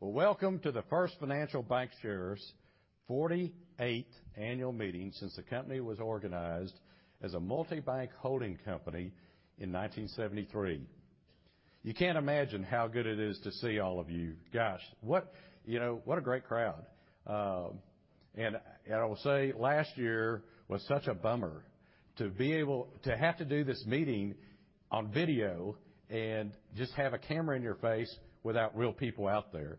Welcome to the First Financial Bankshares' 48th annual meeting since the company was organized as a multi-bank holding company in 1973. You can't imagine how good it is to see all of you. Gosh, what a great crowd. I will say, last year was such a bummer to have to do this meeting on video and just have a camera in your face without real people out there.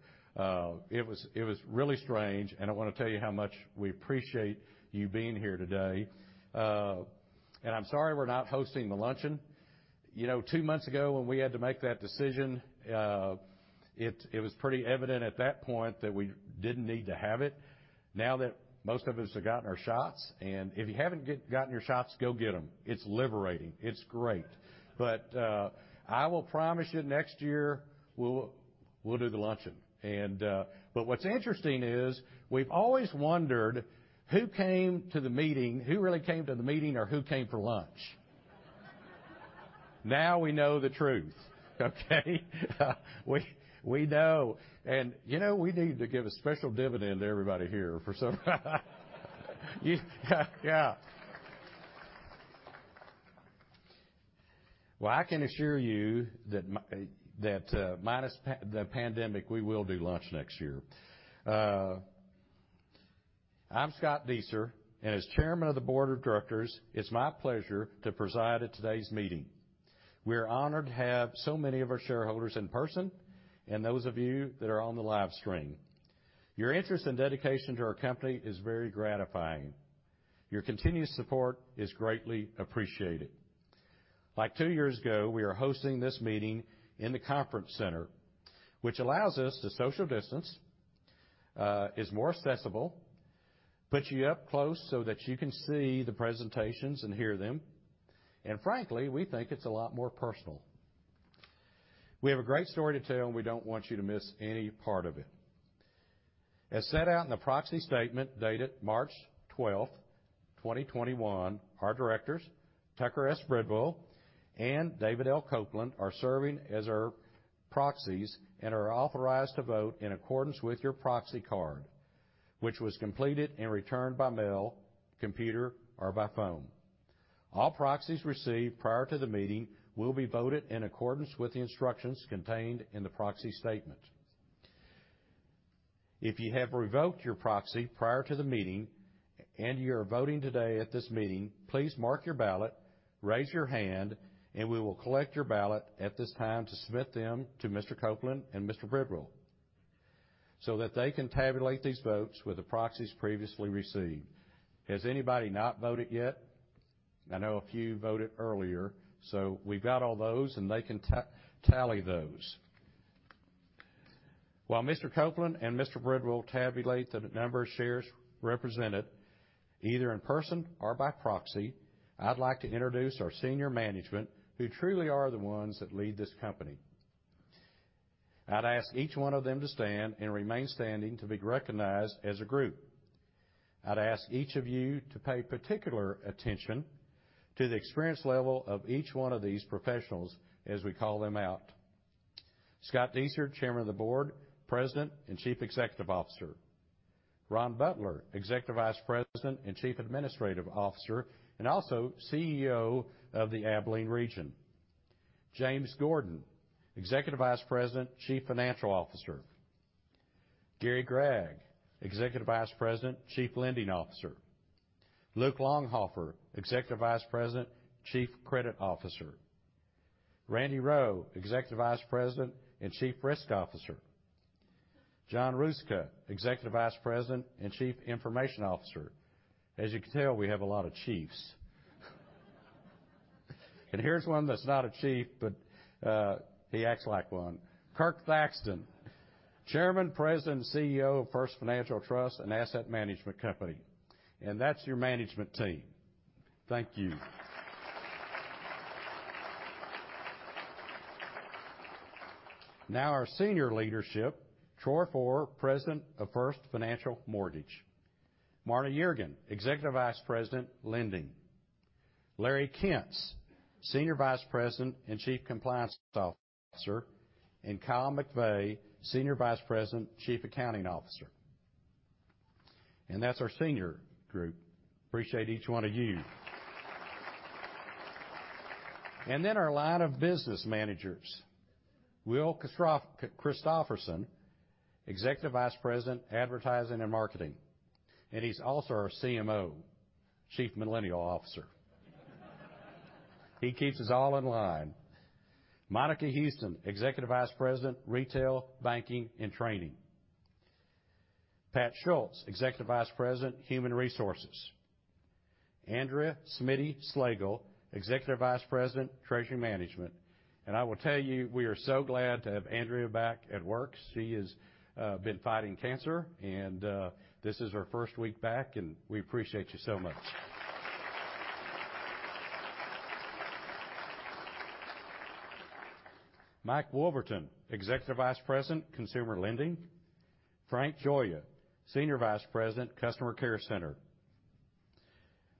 It was really strange, and I want to tell you how much we appreciate you being here today. I'm sorry we're not hosting the luncheon. Two months ago, when we had to make that decision, it was pretty evident at that point that we didn't need to have it. Now that most of us have gotten our shots, and if you haven't gotten your shots, go get them. It's liberating. It's great. I will promise you next year, we'll do the luncheon. What's interesting is, we've always wondered who really came to the meeting or who came for lunch. Now we know the truth. Okay. We know. We need to give a special dividend to everybody here. Yeah. I can assure you that minus the pandemic, we will do lunch next year. I'm Scott Dueser, and as chairman of the board of directors, it's my pleasure to preside at today's meeting. We're honored to have so many of our shareholders in person and those of you that are on the live stream. Your interest and dedication to our company is very gratifying. Your continued support is greatly appreciated. Like two years ago, we are hosting this meeting in the conference center, which allows us to social distance, is more accessible, puts you up close so that you can see the presentations and hear them, and frankly, we think it's a lot more personal. We have a great story to tell, and we don't want you to miss any part of it. As set out in the proxy statement dated March 12th, 2021, our directors, Tucker S. Bridwell and David L. Copeland, are serving as our proxies and are authorized to vote in accordance with your proxy card, which was completed and returned by mail, computer, or by phone. All proxies received prior to the meeting will be voted in accordance with the instructions contained in the proxy statement. If you have revoked your proxy prior to the meeting and you're voting today at this meeting, please mark your ballot, raise your hand, and we will collect your ballot at this time to submit them to Mr. Copeland and Mr. Bridwell so that they can tabulate these votes with the proxies previously received. Has anybody not voted yet? I know a few voted earlier, so we've got all those, and they can tally those. While Mr. Copeland and Mr. Bridwell tabulate the number of shares represented, either in person or by proxy, I'd like to introduce our senior management, who truly are the ones that lead this company. I'd ask each one of them to stand and remain standing to be recognized as a group. I'd ask each of you to pay particular attention to the experience level of each one of these professionals as we call them out. Scott Dueser, Chairman of the Board, President, and Chief Executive Officer. Ron Butler, Executive Vice President, and Chief Administrative Officer, and also CEO of the Abilene Region. James Gordon, Executive Vice President, Chief Financial Officer. Gary Gragg, Executive Vice President, Chief Lending Officer. Luke Longhofer, Executive Vice President, Chief Credit Officer. Randy Roewe, Executive Vice President, and Chief Risk Officer. John Ruzicka, Executive Vice President and Chief Information Officer. As you can tell, we have a lot of chiefs. Here's one that's not a chief, but he acts like one. Kirk Thaxton, Chairman, President, and CEO of First Financial Trust & Asset Management Company. That's your management team. Thank you. Now our senior leadership. Troy Fore, President of First Financial Mortgage. Marna Yerigan, Executive Vice President, Lending. Larry Kentz, Senior Vice President and Chief Compliance Officer. Kyle McVey, Senior Vice President, Chief Accounting Officer. That's our senior group. Appreciate each one of you. Our line of business managers. Will Christoferson, Executive Vice President, Advertising and Marketing. He's also our CMO, chief millennial officer. He keeps us all in line. Monica Houston, Executive Vice President, Retail Banking, and Training. Pat Schulz, Executive Vice President, Human Resources. Andrea Smiddy-Schlagel, Executive Vice President, Treasury Management. I will tell you, we are so glad to have Andrea back at work. She has been fighting cancer and this is her first week back, and we appreciate you so much. Mike Wolverton, Executive Vice President, Consumer Lending. Frank Gioia, Senior Vice President, Customer Care Center.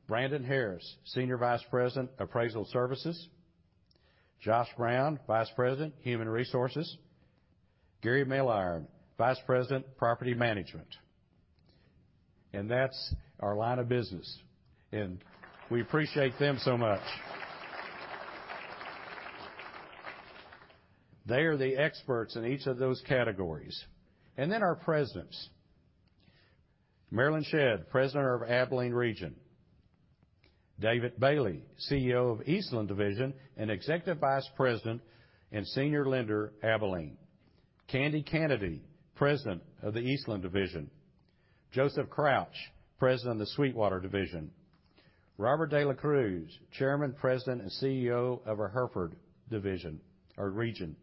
Brandon Harris, Senior Vice President, Appraisal Services. Josh Brown, Vice President, Human Resources. Gary Milliorn, Vice President, Property Management. That's our line of business. We appreciate them so much. They are the experts in each of those categories. Our presidents. Marelyn Shedd, President of Abilene Region. David Bailey, CEO of Eastland Division, and Executive Vice President, and Senior Lender, Abilene Region. Candi Kanady, President of the Eastland Division. Joseph Crouch, President of the Sweetwater Division. Robert de la Cruz, Chairman, President, and CEO of our Hereford Region.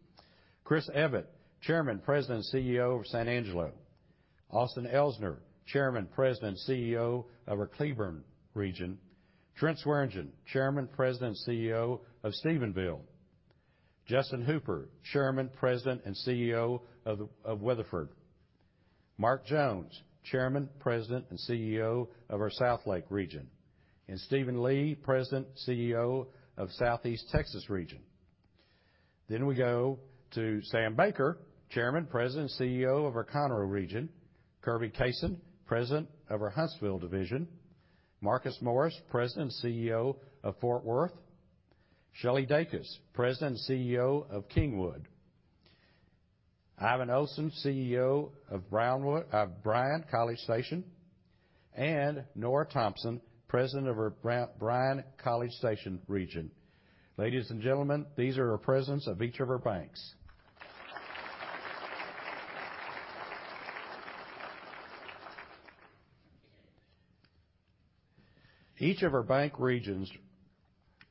Chris Evatt, Chairman, President, and CEO of San Angelo Region. Austin Elsner, Chairman, President, and CEO of our Cleburne Region. Trent Swearengin, Chairman, President, and CEO of Stephenville Region. Justin Hooper, Chairman, President, and CEO of Weatherford Region. Mark Jones, Chairman, President, and CEO of our Southlake Region. Stephen Lee, President, CEO of Southeast Region. We go to Sam Baker, Chairman, President, and CEO of our Conroe Region. Kirby Cason, President of our Huntsville Division. Marcus Morris, President, and CEO of Fort Worth Region. Shelley Dacus, President, and CEO of Kingwood Region. Ivan Olson, CEO of Bryan/College Station, and Nora Thompson, President of our Bryan/College Station region. Ladies and gentlemen, these are our presidents of each of our banks. Each of our bank regions,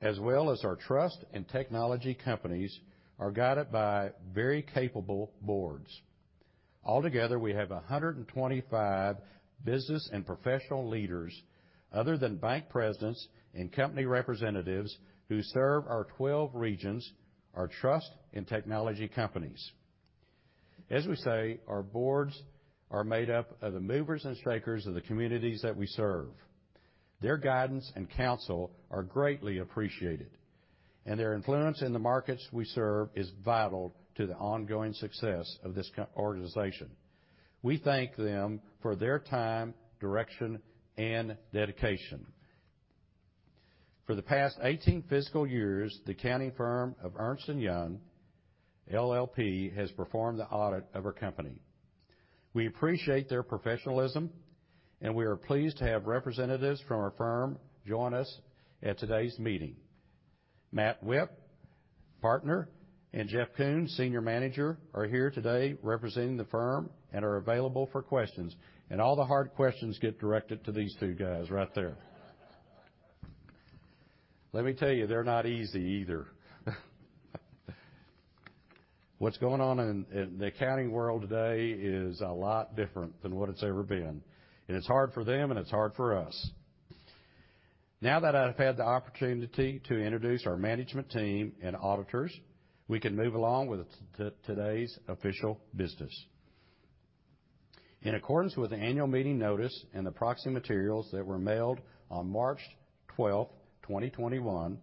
as well as our trust and technology companies, are guided by very capable boards. Altogether, we have 125 business and professional leaders other than bank presidents and company representatives who serve our 12 regions, our trust and technology companies. As we say, our boards are made up of the movers and shakers of the communities that we serve. Their guidance and counsel are greatly appreciated, and their influence in the markets we serve is vital to the ongoing success of this organization. We thank them for their time, direction, and dedication. For the past 18 fiscal years, the accounting firm of Ernst & Young LLP has performed the audit of our company. We appreciate their professionalism, and we are pleased to have representatives from our firm join us at today's meeting. Matt Whipp, Partner, and Jeff Kuhn, Senior Manager, are here today representing the firm and are available for questions. All the hard questions get directed to these two guys right there. Let me tell you, they're not easy either. What's going on in the accounting world today is a lot different than what it's ever been. It's hard for them and it's hard for us. Now that I've had the opportunity to introduce our management team and auditors, we can move along with today's official business. In accordance with the annual meeting notice and the proxy materials that were mailed on March 12th, 2021,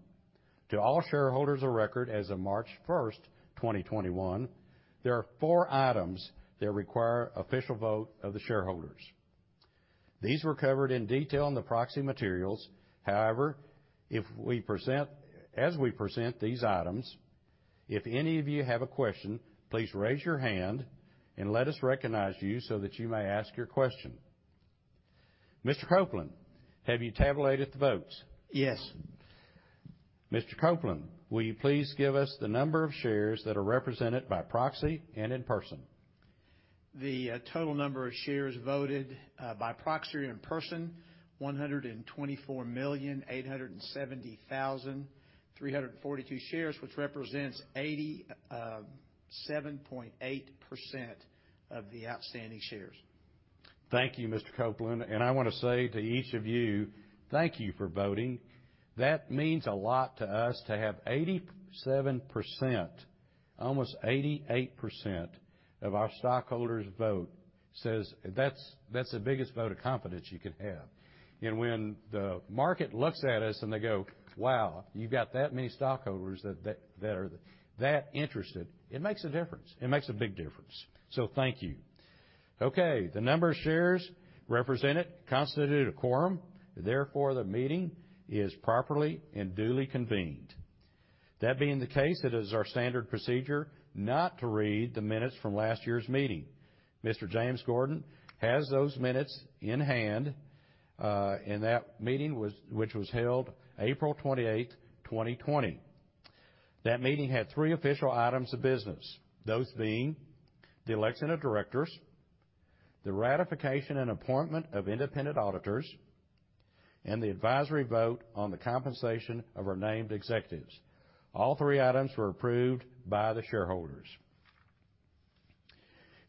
to all shareholders of record as of March 1st, 2021, there are four items that require official vote of the shareholders. These were covered in detail in the proxy materials. As we present these items, if any of you have a question, please raise your hand and let us recognize you so that you may ask your question. Mr. Copeland, have you tabulated the votes? Yes. Mr. Copeland, will you please give us the number of shares that are represented by proxy and in person? The total number of shares voted by proxy or in person, 124,870,342 shares, which represents 87.8% of the outstanding shares. Thank you, Mr. Copeland. I want to say to each of you, thank you for voting. That means a lot to us to have 87%, almost 88% of our stockholders vote. That's the biggest vote of confidence you could have. When the market looks at us and they go, "Wow, you've got that many stockholders that are that interested," it makes a difference. It makes a big difference. Thank you. Okay, the number of shares represented constituted a quorum. Therefore, the meeting is properly and duly convened. That being the case, it is our standard procedure not to read the minutes from last year's meeting. Mr. James Gordon has those minutes in hand, that meeting which was held April 28th, 2020. That meeting had three official items of business, those being the election of directors, the ratification and appointment of independent auditors, and the advisory vote on the compensation of our named executives. All three items were approved by the shareholders.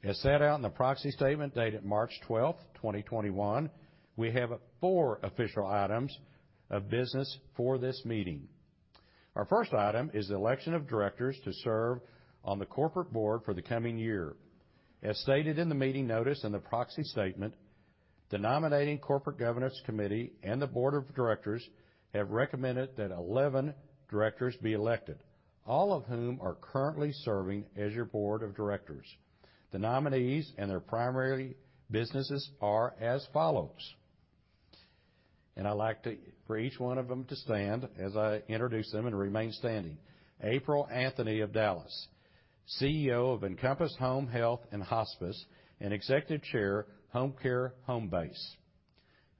As set out in the proxy statement dated March 12th, 2021, we have four official items of business for this meeting. Our first item is the election of directors to serve on the corporate board for the coming year. As stated in the meeting notice and the proxy statement, the nominating corporate governance committee and the board of directors have recommended that 11 directors be elected, all of whom are currently serving as your board of directors. The nominees and their primary businesses are as follows. I'd like for each one of them to stand as I introduce them and remain standing. April Anthony of Dallas, CEO of Encompass Home Health & Hospice, and Executive Chair, Homecare Homebase.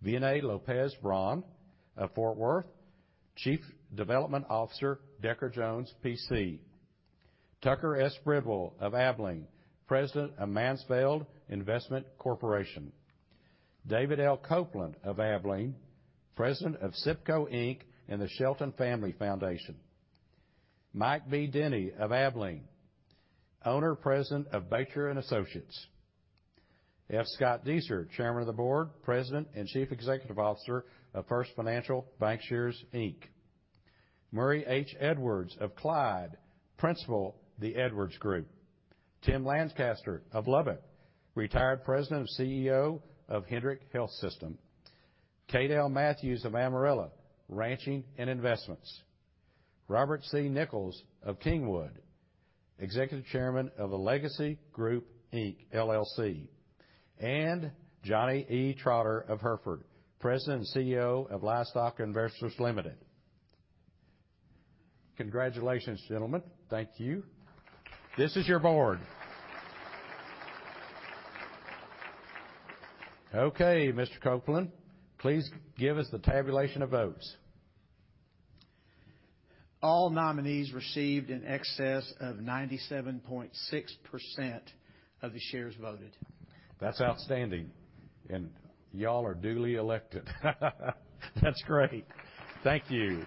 Vianei Lopez Braun of Fort Worth, Chief Development Officer, Decker Jones, P.C. Tucker S. Bridwell of Abilene, President of Mansefeldt Investment Corporation. David L. Copeland of Abilene, President of SIPCO, Inc., and the Shelton Family Foundation. Mike B. Denny of Abilene, Owner, President of Batjer, and Associates, Inc. F. Scott Dueser, Chairman of the Board, President, and Chief Executive Officer of First Financial Bankshares, Inc. Murray H. Edwards of Clyde, Principal, The Edwards Group. Tim Lancaster of Lubbock, Retired President, and CEO of Hendrick Health System. Kade Matthews of Amarillo, Ranching and Investments. Robert C. Nickles Jr. of Kingwood, Executive Chairman of Alegacy Group, LLC. Johnny E. Trotter of Hereford, President, and CEO of Livestock Investors, Ltd. Congratulations, gentlemen. Thank you. This is your board. Okay, Mr. Copeland, please give us the tabulation of votes. All nominees received in excess of 97.6% of the shares voted. That's outstanding. Y'all are duly elected. That's great. Thank you.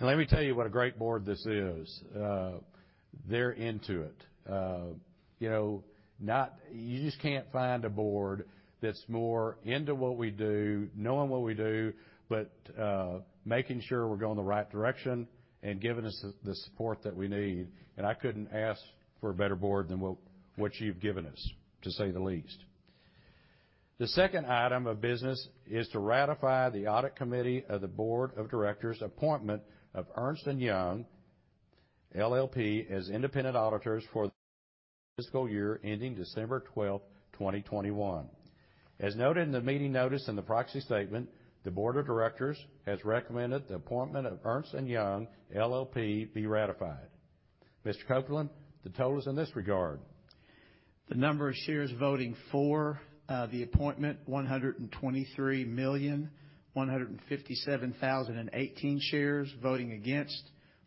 Let me tell you what a great board this is. They're into it. You just can't find a board that's more into what we do, knowing what we do, but making sure we're going the right direction and giving us the support that we need. I couldn't ask for a better board than what you've given us, to say the least. The second item of business is to ratify the audit committee of the board of directors appointment of Ernst & Young, LLP as independent auditors for the fiscal year ending December 12th, 2021. As noted in the meeting notice in the proxy statement, the board of directors has recommended the appointment of Ernst & Young, LLP be ratified. Mr. Copeland, the totals in this regard. The number of shares voting for the appointment, 123,157,018 shares. Voting against,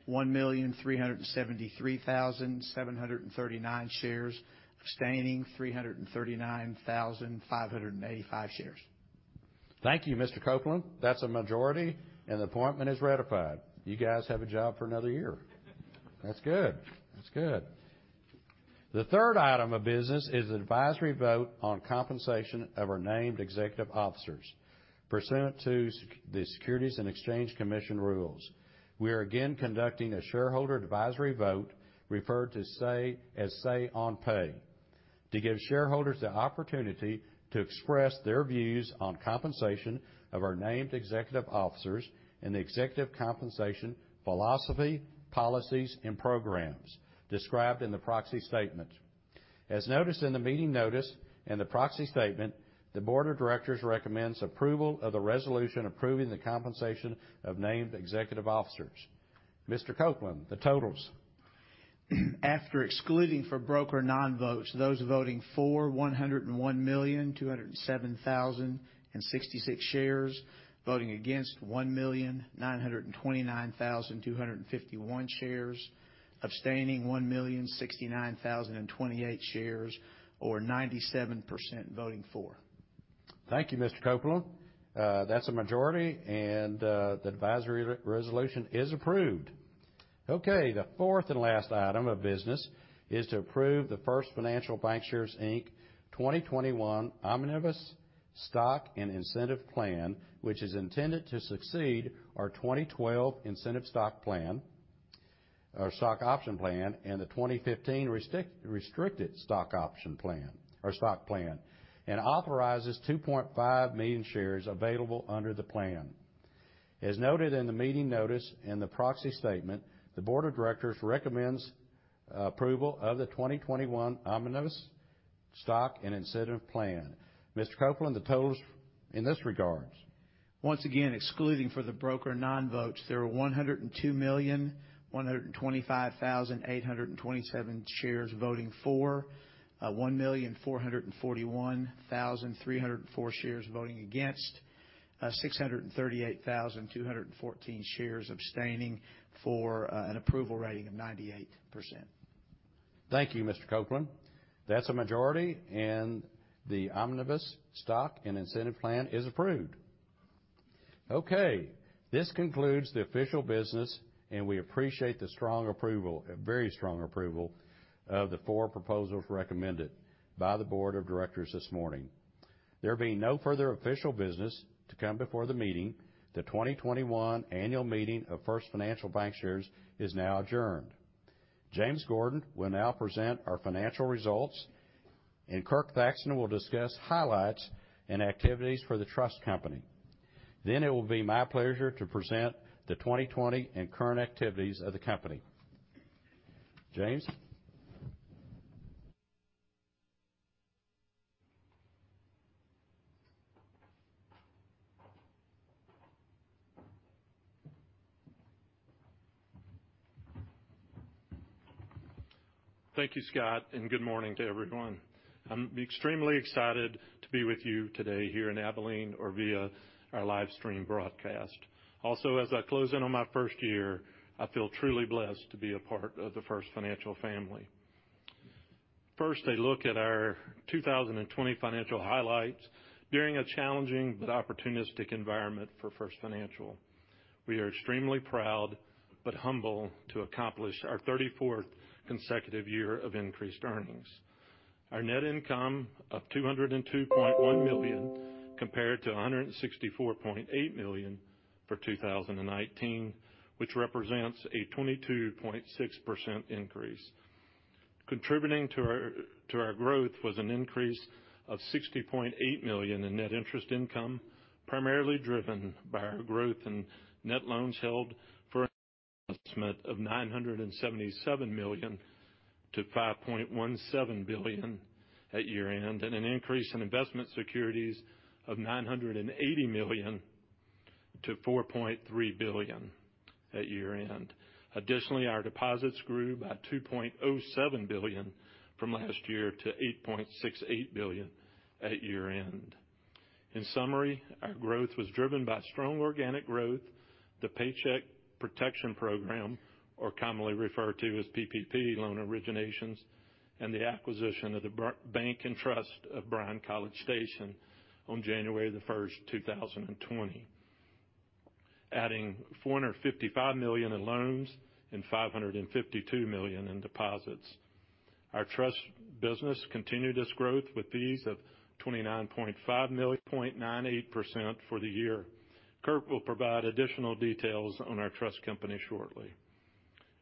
1,373,739 shares. Abstaining, 339,585 shares. Thank you, Mr. Copeland. That's a majority, and the appointment is ratified. You guys have a job for another year. That's good. The third item of business is the advisory vote on compensation of our named executive officers pursuant to the Securities and Exchange Commission rules. We are again conducting a shareholder advisory vote referred to as Say-on-Pay, to give shareholders the opportunity to express their views on compensation of our named executive officers and the executive compensation philosophy, policies, and programs described in the proxy statement. As noticed in the meeting notice and the proxy statement, the board of directors recommends approval of the resolution approving the compensation of named executive officers. Mr. Copeland, the totals. After excluding for broker non-votes, those voting for, 101,207,066 shares. Voting against, 1,929,251 shares. Abstaining, 1,069,028 shares, or 97% voting for. Thank you, Mr. Copeland. That's a majority, and the advisory resolution is approved. Okay, the fourth and last item of business is to approve the First Financial Bankshares, Inc. 2021 Omnibus Stock and Incentive Plan, which is intended to succeed our 2012 Incentive Stock Plan, our stock option plan, and the 2015 Restricted Stock Option Plan or stock plan, and authorizes 2.5 million shares available under the plan. As noted in the meeting notice in the proxy statement, the board of directors recommends approval of the 2021 Omnibus Stock and Incentive Plan. Mr. Copeland, the totals in this regards. Once again, excluding for the broker non-votes, there were 102,125,827 shares voting for. 1,441,304 shares voting against. 638,214 shares abstaining for an approval rating of 98%. Thank you, Mr. Copeland. That's a majority, and the 2021 Omnibus Stock and Incentive Plan is approved. Okay. This concludes the official business, and we appreciate the very strong approval of the four proposals recommended by the board of directors this morning. There being no further official business to come before the meeting, the 2021 annual meeting of First Financial Bankshares is now adjourned. James Gordon will now present our financial results, and Kirk Thaxton will discuss highlights and activities for the trust company. It will be my pleasure to present the 2020 and current activities of the company. James? Thank you, Scott. Good morning to everyone. I'm extremely excited to be with you today here in Abilene or via our live stream broadcast. As I close in on my first year, I feel truly blessed to be a part of the First Financial family. A look at our 2020 financial highlights during a challenging but opportunistic environment for First Financial. We are extremely proud but humble to accomplish our 34th consecutive year of increased earnings. Our net income of $202.1 million compared to $164.8 million for 2019, which represents a 22.6% increase. Contributing to our growth was an increase of $60.8 million in net interest income, primarily driven by our growth in net loans held for investment of $977 million to $5.17 billion at year-end, and an increase in investment securities of $980 million to $4.3 billion at year-end. Our deposits grew by $2.07 billion from last year to $8.68 billion at year-end. In summary, our growth was driven by strong organic growth, the Paycheck Protection Program, or commonly referred to as PPP loan originations, and the acquisition of The Bank & Trust of Bryan/College Station on January 1st, 2020, adding $455 million in loans and $552 million in deposits. Our trust business continued its growth with fees of $29.5 million, 0.98% for the year. Kirk will provide additional details on our trust company shortly.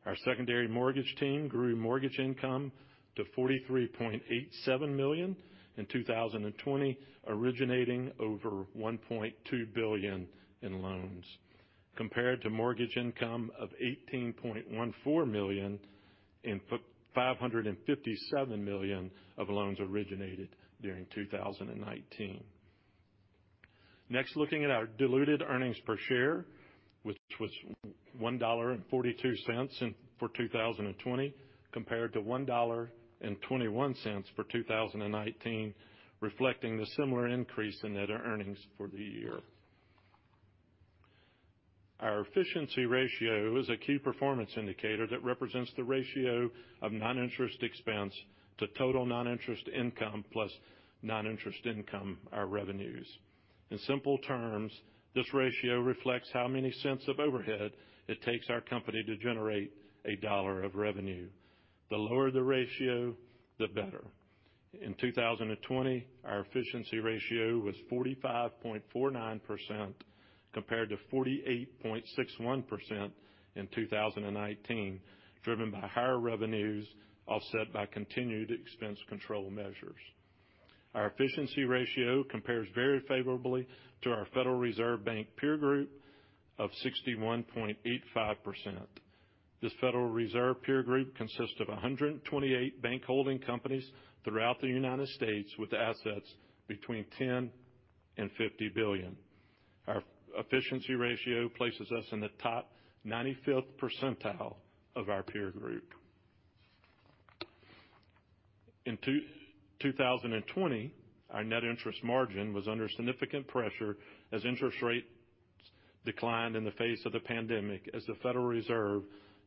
Our secondary mortgage team grew mortgage income to $43.87 million in 2020, originating over $1.2 billion in loans, compared to mortgage income of $18.14 million and $557 million of loans originated during 2019. Looking at our diluted earnings per share, which was $1.42 for 2020, compared to $1.21 for 2019, reflecting the similar increase in net earnings for the year. Our efficiency ratio is a key performance indicator that represents the ratio of non-interest expense to total non-interest income plus non-interest income, our revenues. In simple terms, this ratio reflects how many cents of overhead it takes our company to generate a dollar of revenue. The lower the ratio, the better. In 2020, our efficiency ratio was 45.49% compared to 48.61% in 2019, driven by higher revenues offset by continued expense control measures. Our efficiency ratio compares very favorably to our Federal Reserve Bank peer group of 61.85%. This Federal Reserve peer group consists of 128 bank holding companies throughout the U.S. with assets between 10 and 50 billion. Our efficiency ratio places us in the top 95th percentile of our peer group. In 2020, our net interest margin was under significant pressure as interest rates declined in the face of the pandemic, as the Federal Reserve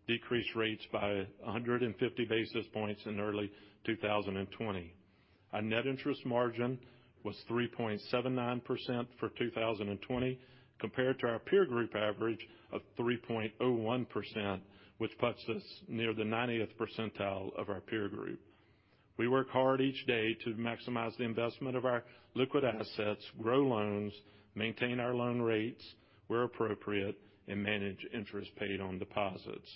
decreased rates by 150 basis points in early 2020. Our net interest margin was 3.79% for 2020, compared to our peer group average of 3.01%, which puts us near the 90th percentile of our peer group. We work hard each day to maximize the investment of our liquid assets, grow loans, maintain our loan rates where appropriate, and manage interest paid on deposits.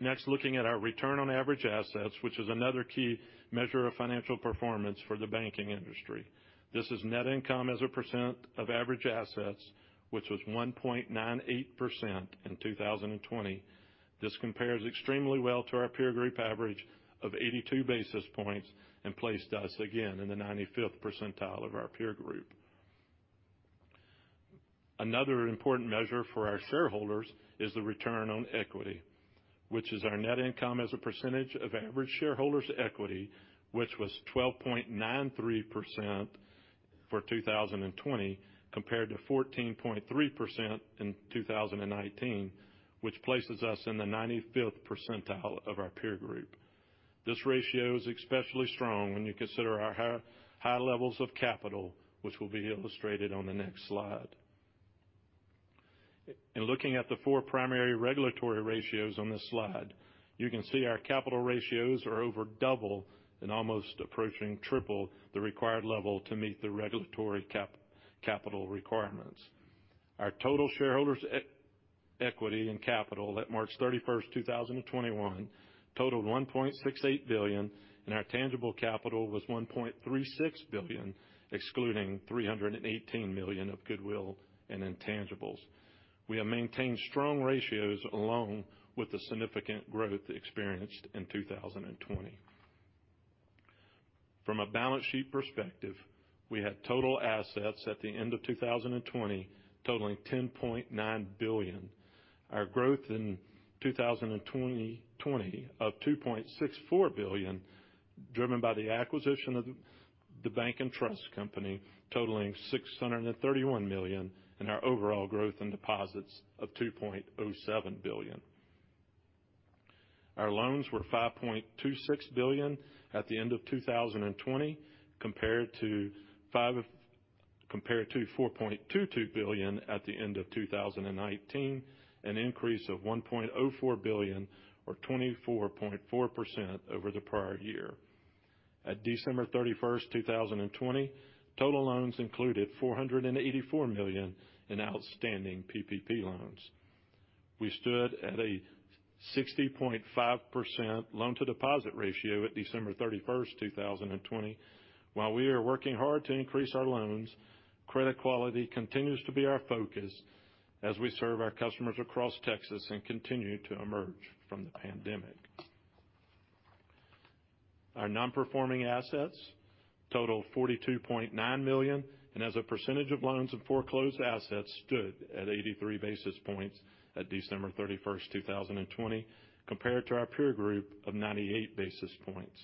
Next, looking at our return on average assets, which is another key measure of financial performance for the banking industry. This is net income as a % of average assets, which was 1.98% in 2020. This compares extremely well to our peer group average of 82 basis points and placed us again in the 95th percentile of our peer group. Another important measure for our shareholders is the return on equity, which is our net income as a percentage of average shareholders' equity, which was 12.93% for 2020, compared to 14.3% in 2019, which places us in the 95th percentile of our peer group. This ratio is especially strong when you consider our high levels of capital, which will be illustrated on the next slide. In looking at the four primary regulatory ratios on this slide, you can see our capital ratios are over double and almost approaching triple the required level to meet the regulatory capital requirements. Our total shareholders' equity and capital at March 31st, 2021 totaled $1.68 billion, and our tangible capital was $1.36 billion, excluding $318 million of goodwill and intangibles. We have maintained strong ratios along with the significant growth experienced in 2020. From a balance sheet perspective, we had total assets at the end of 2020 totaling $10.9 billion. Our growth in 2020 of $2.64 billion, driven by the acquisition of The Bank & Trust totaling $631 million, and our overall growth in deposits of $2.07 billion. Our loans were $5.26 billion at the end of 2020 compared to $4.22 billion at the end of 2019, an increase of $1.04 billion or 24.4% over the prior year. At December 31st, 2020, total loans included $484 million in outstanding PPP loans. We stood at a 60.5% loan to deposit ratio at December 31st, 2020. While we are working hard to increase our loans, credit quality continues to be our focus as we serve our customers across Texas and continue to emerge from the pandemic. Our non-performing assets total $42.9 million, and as a percentage of loans and foreclosed assets stood at 83 basis points at December 31st, 2020, compared to our peer group of 98 basis points.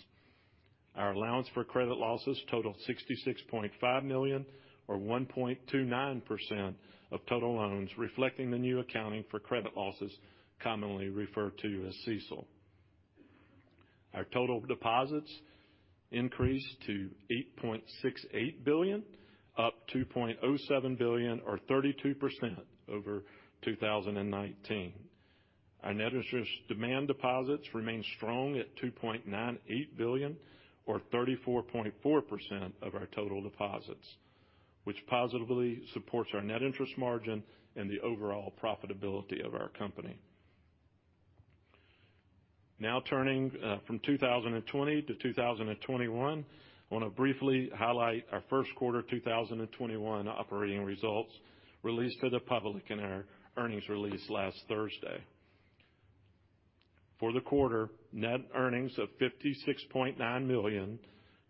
Our allowance for credit losses totaled $66.5 million or 1.29% of total loans, reflecting the new accounting for credit losses, commonly referred to as CECL. Our total deposits increased to $8.68 billion, up $2.07 billion or 32% over 2019. Our net interest demand deposits remain strong at $2.98 billion or 34.4% of our total deposits, which positively supports our net interest margin and the overall profitability of our company. Now turning from 2020-2021, I want to briefly highlight our first quarter 2021 operating results released to the public in our earnings release last Thursday. For the quarter, net earnings of $56.9 million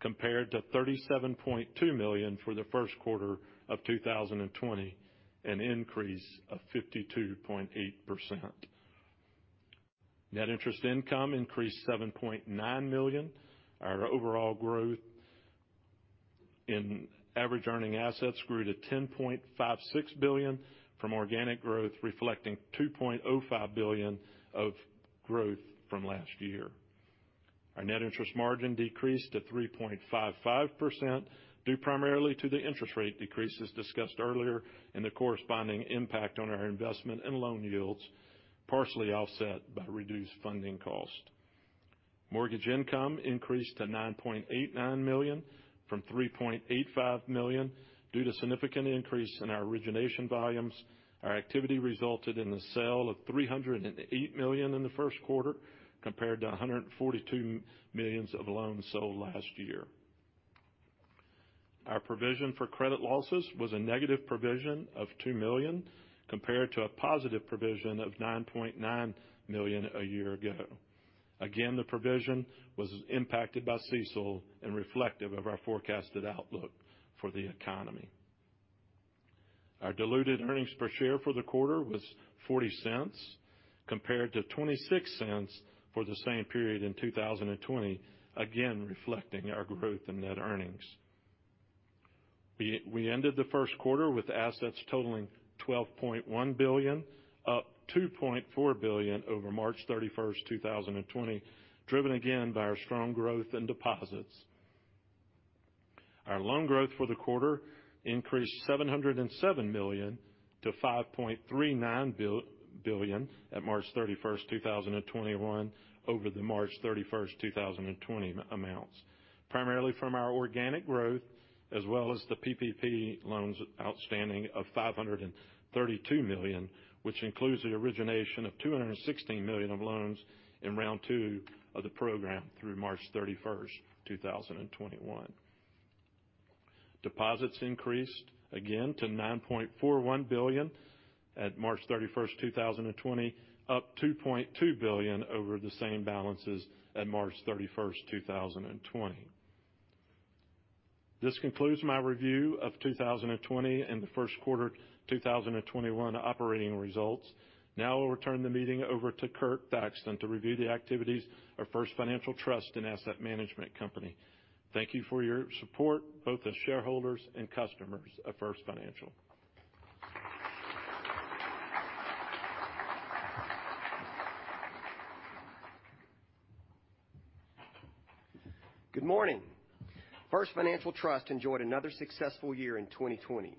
compared to $37.2 million for the first quarter of 2020, an increase of 52.8%. Net interest income increased $7.9 million. Our overall growth in average earning assets grew to $10.56 billion from organic growth, reflecting $2.05 billion of growth from last year. Our net interest margin decreased to 3.55%, due primarily to the interest rate decreases discussed earlier and the corresponding impact on our investment and loan yields, partially offset by reduced funding cost. Mortgage income increased to $9.89 million from $3.85 million due to significant increase in our origination volumes. Our activity resulted in the sale of $308 million in the first quarter compared to $142 million of loans sold last year. Our provision for credit losses was a negative provision of $2 million compared to a positive provision of $9.9 million a year ago. The provision was impacted by CECL and reflective of our forecasted outlook for the economy. Our diluted earnings per share for the quarter was $0.40 compared to $0.26 for the same period in 2020, again reflecting our growth in net earnings. We ended the first quarter with assets totaling $12.1 billion, up $2.4 billion over March 31st, 2020, driven again by our strong growth in deposits. Our loan growth for the quarter increased $707 million to $5.39 billion at March 31st, 2021 over the March 31st, 2020 amounts, primarily from our organic growth as well as the PPP loans outstanding of $532 million, which includes the origination of $216 million of loans in round two of the program through March 31st, 2021. Deposits increased again to $9.41 billion at March 31st, 2020, up $2.2 billion over the same balances at March 31st, 2020. This concludes my review of 2020 and the first quarter 2021 operating results. I will turn the meeting over to Kirk Thaxton to review the activities of First Financial Trust & Asset Management Company. Thank you for your support, both as shareholders and customers of First Financial. Good morning. First Financial Trust enjoyed another successful year in 2020.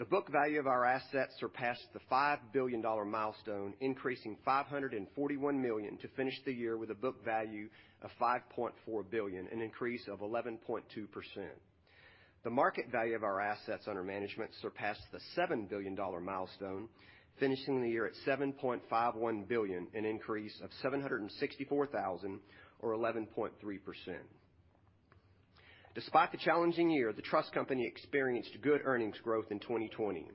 The book value of our assets surpassed the $5 billion milestone, increasing $541 million to finish the year with a book value of $5.4 billion, an increase of 11.2%. The market value of our assets under management surpassed the $7 billion milestone, finishing the year at $7.51 billion, an increase of $764,000 or 11.3%. Despite the challenging year, the trust company experienced good earnings growth in 2020.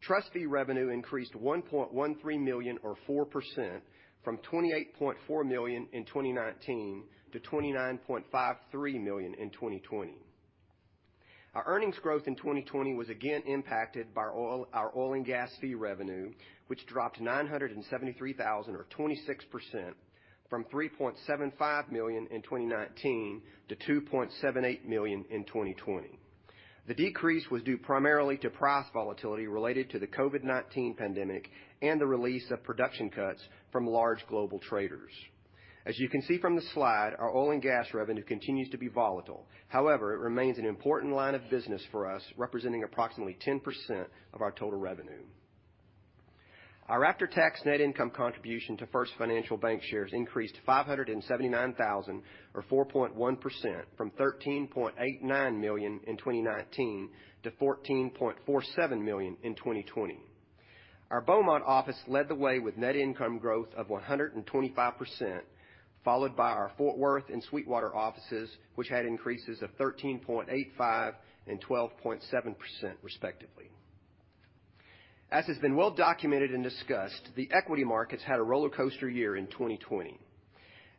Trust fee revenue increased $1.13 million or 4%, from $28.4 million in 2019 to $29.53 million in 2020. Our earnings growth in 2020 was again impacted by our oil and gas fee revenue, which dropped $973,000 or 26%, from $3.75 million in 2019 to $2.78 million in 2020. The decrease was due primarily to price volatility related to the COVID-19 pandemic and the release of production cuts from large global traders. As you can see from the slide, our oil and gas revenue continues to be volatile. However, it remains an important line of business for us, representing approximately 10% of our total revenue. Our after-tax net income contribution to First Financial Bankshares increased $579,000 or 4.1%, from $13.89 million in 2019 to $14.47 million in 2020. Our Beaumont office led the way with net income growth of 125%, followed by our Fort Worth and Sweetwater offices, which had increases of 13.85% and 12.7%, respectively. As has been well documented and discussed, the equity markets had a rollercoaster year in 2020.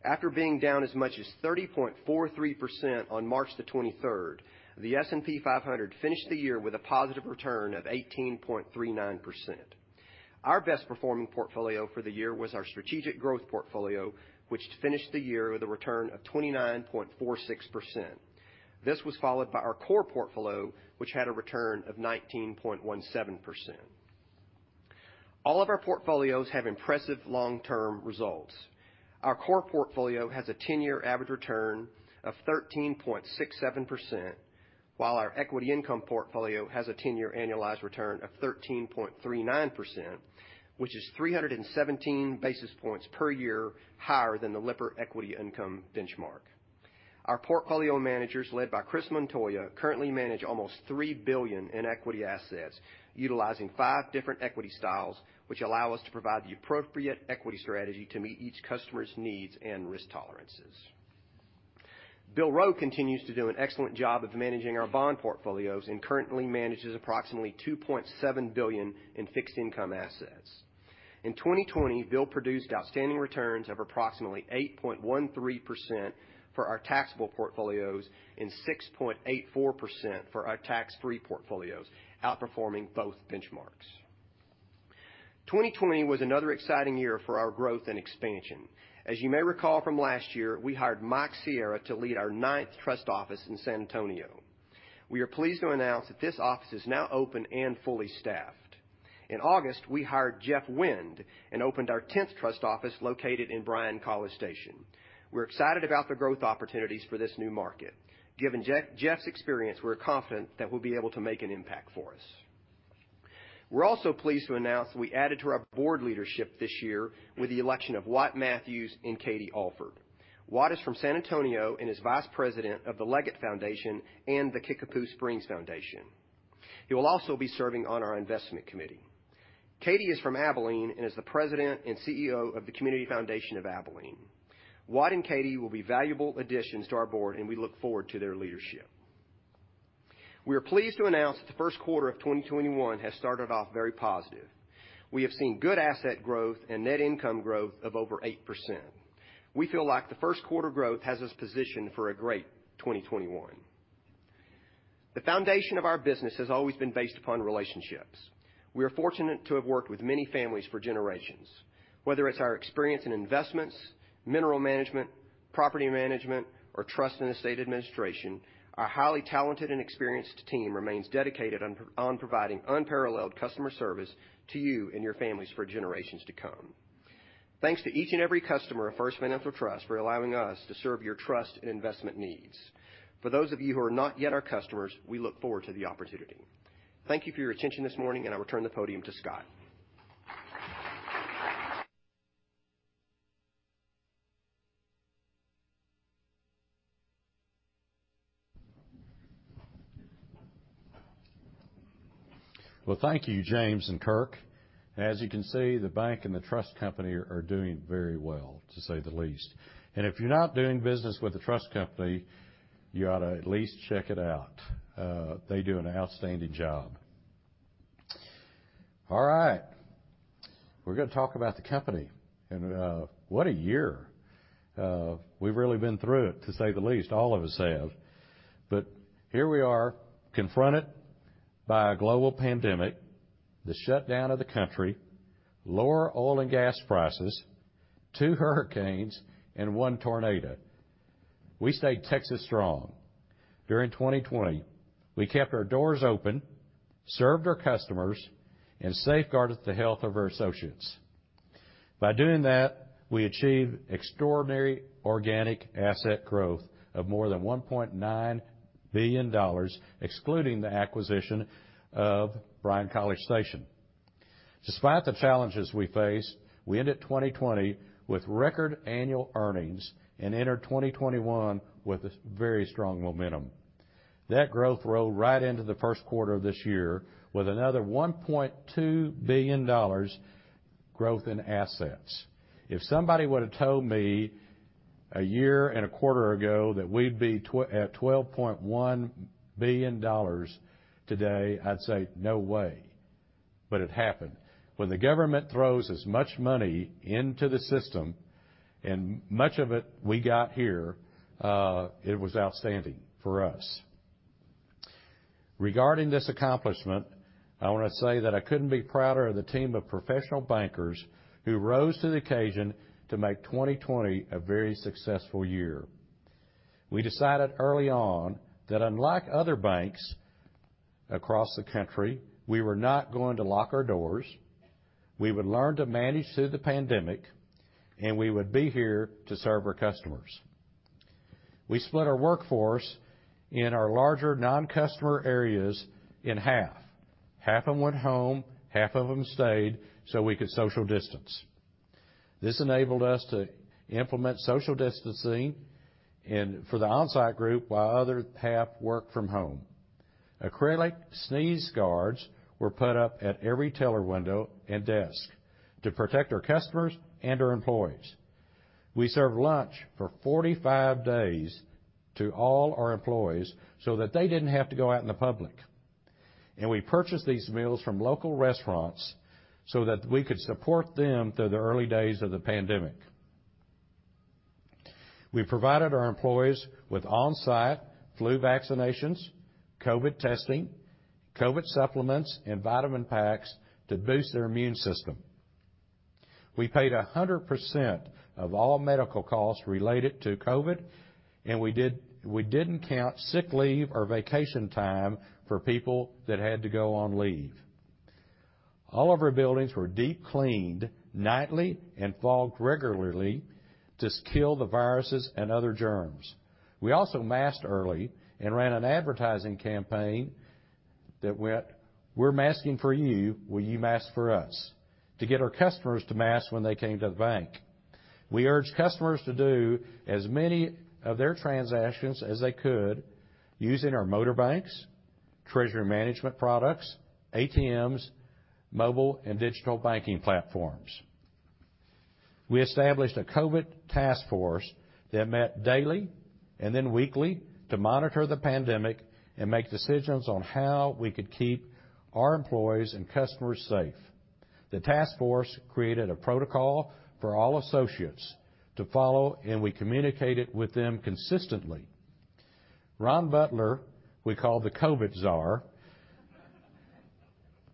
After being down as much as 30.43% on March the 23rd, the S&P 500 finished the year with a positive return of 18.39%. Our best performing portfolio for the year was our strategic growth portfolio, which finished the year with a return of 29.46%. This was followed by our core portfolio, which had a return of 19.17%. All of our portfolios have impressive long-term results. Our core portfolio has a 10-year average return of 13.67%, while our equity income portfolio has a 10-year annualized return of 13.39%, which is 317 basis points per year higher than the Lipper Equity Income benchmark. Our portfolio managers, led by Chris Montoya, currently manage almost $3 billion in equity assets, utilizing five different equity styles, which allow us to provide the appropriate equity strategy to meet each customer's needs and risk tolerances. Bill Rowe continues to do an excellent job of managing our bond portfolios and currently manages approximately $2.7 billion in fixed income assets. In 2020, Bill produced outstanding returns of approximately 8.13% for our taxable portfolios and 6.84% for our tax-free portfolios, outperforming both benchmarks. 2020 was another exciting year for our growth and expansion. As you may recall from last year, we hired Mike Sierra to lead our ninth trust office in San Antonio. We are pleased to announce that this office is now open and fully staffed. In August, we hired Jeff Wind and opened our 10th trust office located in Bryan/College Station. We're excited about the growth opportunities for this new market. Given Jeff's experience, we're confident that he'll be able to make an impact for us. We're also pleased to announce that we added to our board leadership this year with the election of Watt Matthews and Katie Alford. Watt is from San Antonio and is Vice President of the Leggett Foundation and the Kickapoo Springs Foundation. He will also be serving on our investment committee. Katie is from Abilene and is the President and CEO of the Community Foundation of Abilene. Watt Matthews and Katie Alford will be valuable additions to our board, and we look forward to their leadership. We are pleased to announce that the first quarter of 2021 has started off very positive. We have seen good asset growth and net income growth of over 8%. We feel like the first quarter growth has us positioned for a great 2021. The foundation of our business has always been based upon relationships. We are fortunate to have worked with many families for generations. Whether it's our experience in investments, mineral management, property management, or trust and estate administration, our highly talented and experienced team remains dedicated on providing unparalleled customer service to you and your families for generations to come. Thanks to each and every customer of First Financial Trust & Asset Management Company for allowing us to serve your trust and investment needs. For those of you who are not yet our customers, we look forward to the opportunity. Thank you for your attention this morning, I return the podium to Scott. Well, thank you, James and Kirk. As you can see, the bank and the trust company are doing very well, to say the least. If you're not doing business with the trust company, you ought to at least check it out. They do an outstanding job. All right. We're going to talk about the company, and what a year. We've really been through it, to say the least. All of us have. Here we are confronted by a global pandemic, the shutdown of the country, lower oil and gas prices, two hurricanes, and one tornado. We stayed Texas strong. During 2020, we kept our doors open, served our customers, and safeguarded the health of our associates. By doing that, we achieved extraordinary organic asset growth of more than $1.9 billion, excluding the acquisition of Bryan/College Station. Despite the challenges we faced, we ended 2020 with record annual earnings and entered 2021 with very strong momentum. That growth rolled right into the first quarter of this year with another $1.2 billion growth in assets. If somebody would've told me a year and a quarter ago that we'd be at $12.1 billion today, I'd say, "No way." It happened. When the government throws as much money into the system, and much of it we got here, it was outstanding for us. Regarding this accomplishment, I want to say that I couldn't be prouder of the team of professional bankers who rose to the occasion to make 2020 a very successful year. We decided early on that unlike other banks across the country, we were not going to lock our doors, we would learn to manage through the pandemic, and we would be here to serve our customers. We split our workforce in our larger non-customer areas in half. Half of them went home, half of them stayed, so we could social distance. This enabled us to implement social distancing for the on-site group, while other half worked from home. Acrylic sneeze guards were put up at every teller window and desk to protect our customers and our employees. We served lunch for 45 days to all our employees so that they didn't have to go out in the public, and we purchased these meals from local restaurants so that we could support them through the early days of the pandemic. We provided our employees with on-site flu vaccinations, COVID testing, COVID supplements, and vitamin packs to boost their immune system. We paid 100% of all medical costs related to COVID, and we didn't count sick leave or vacation time for people that had to go on leave. All of our buildings were deep cleaned nightly and fogged regularly to kill the viruses and other germs. We also masked early and ran an advertising campaign that went, "We're masking for you. Will you mask for us?" To get our customers to mask when they came to the bank. We urged customers to do as many of their transactions as they could using our motor banks, treasury management products, ATMs, mobile and digital banking platforms. We established a COVID task force that met daily and then weekly to monitor the pandemic and make decisions on how we could keep our employees and customers safe. The task force created a protocol for all associates to follow, and we communicated with them consistently. Ron Butler, we call the COVID czar,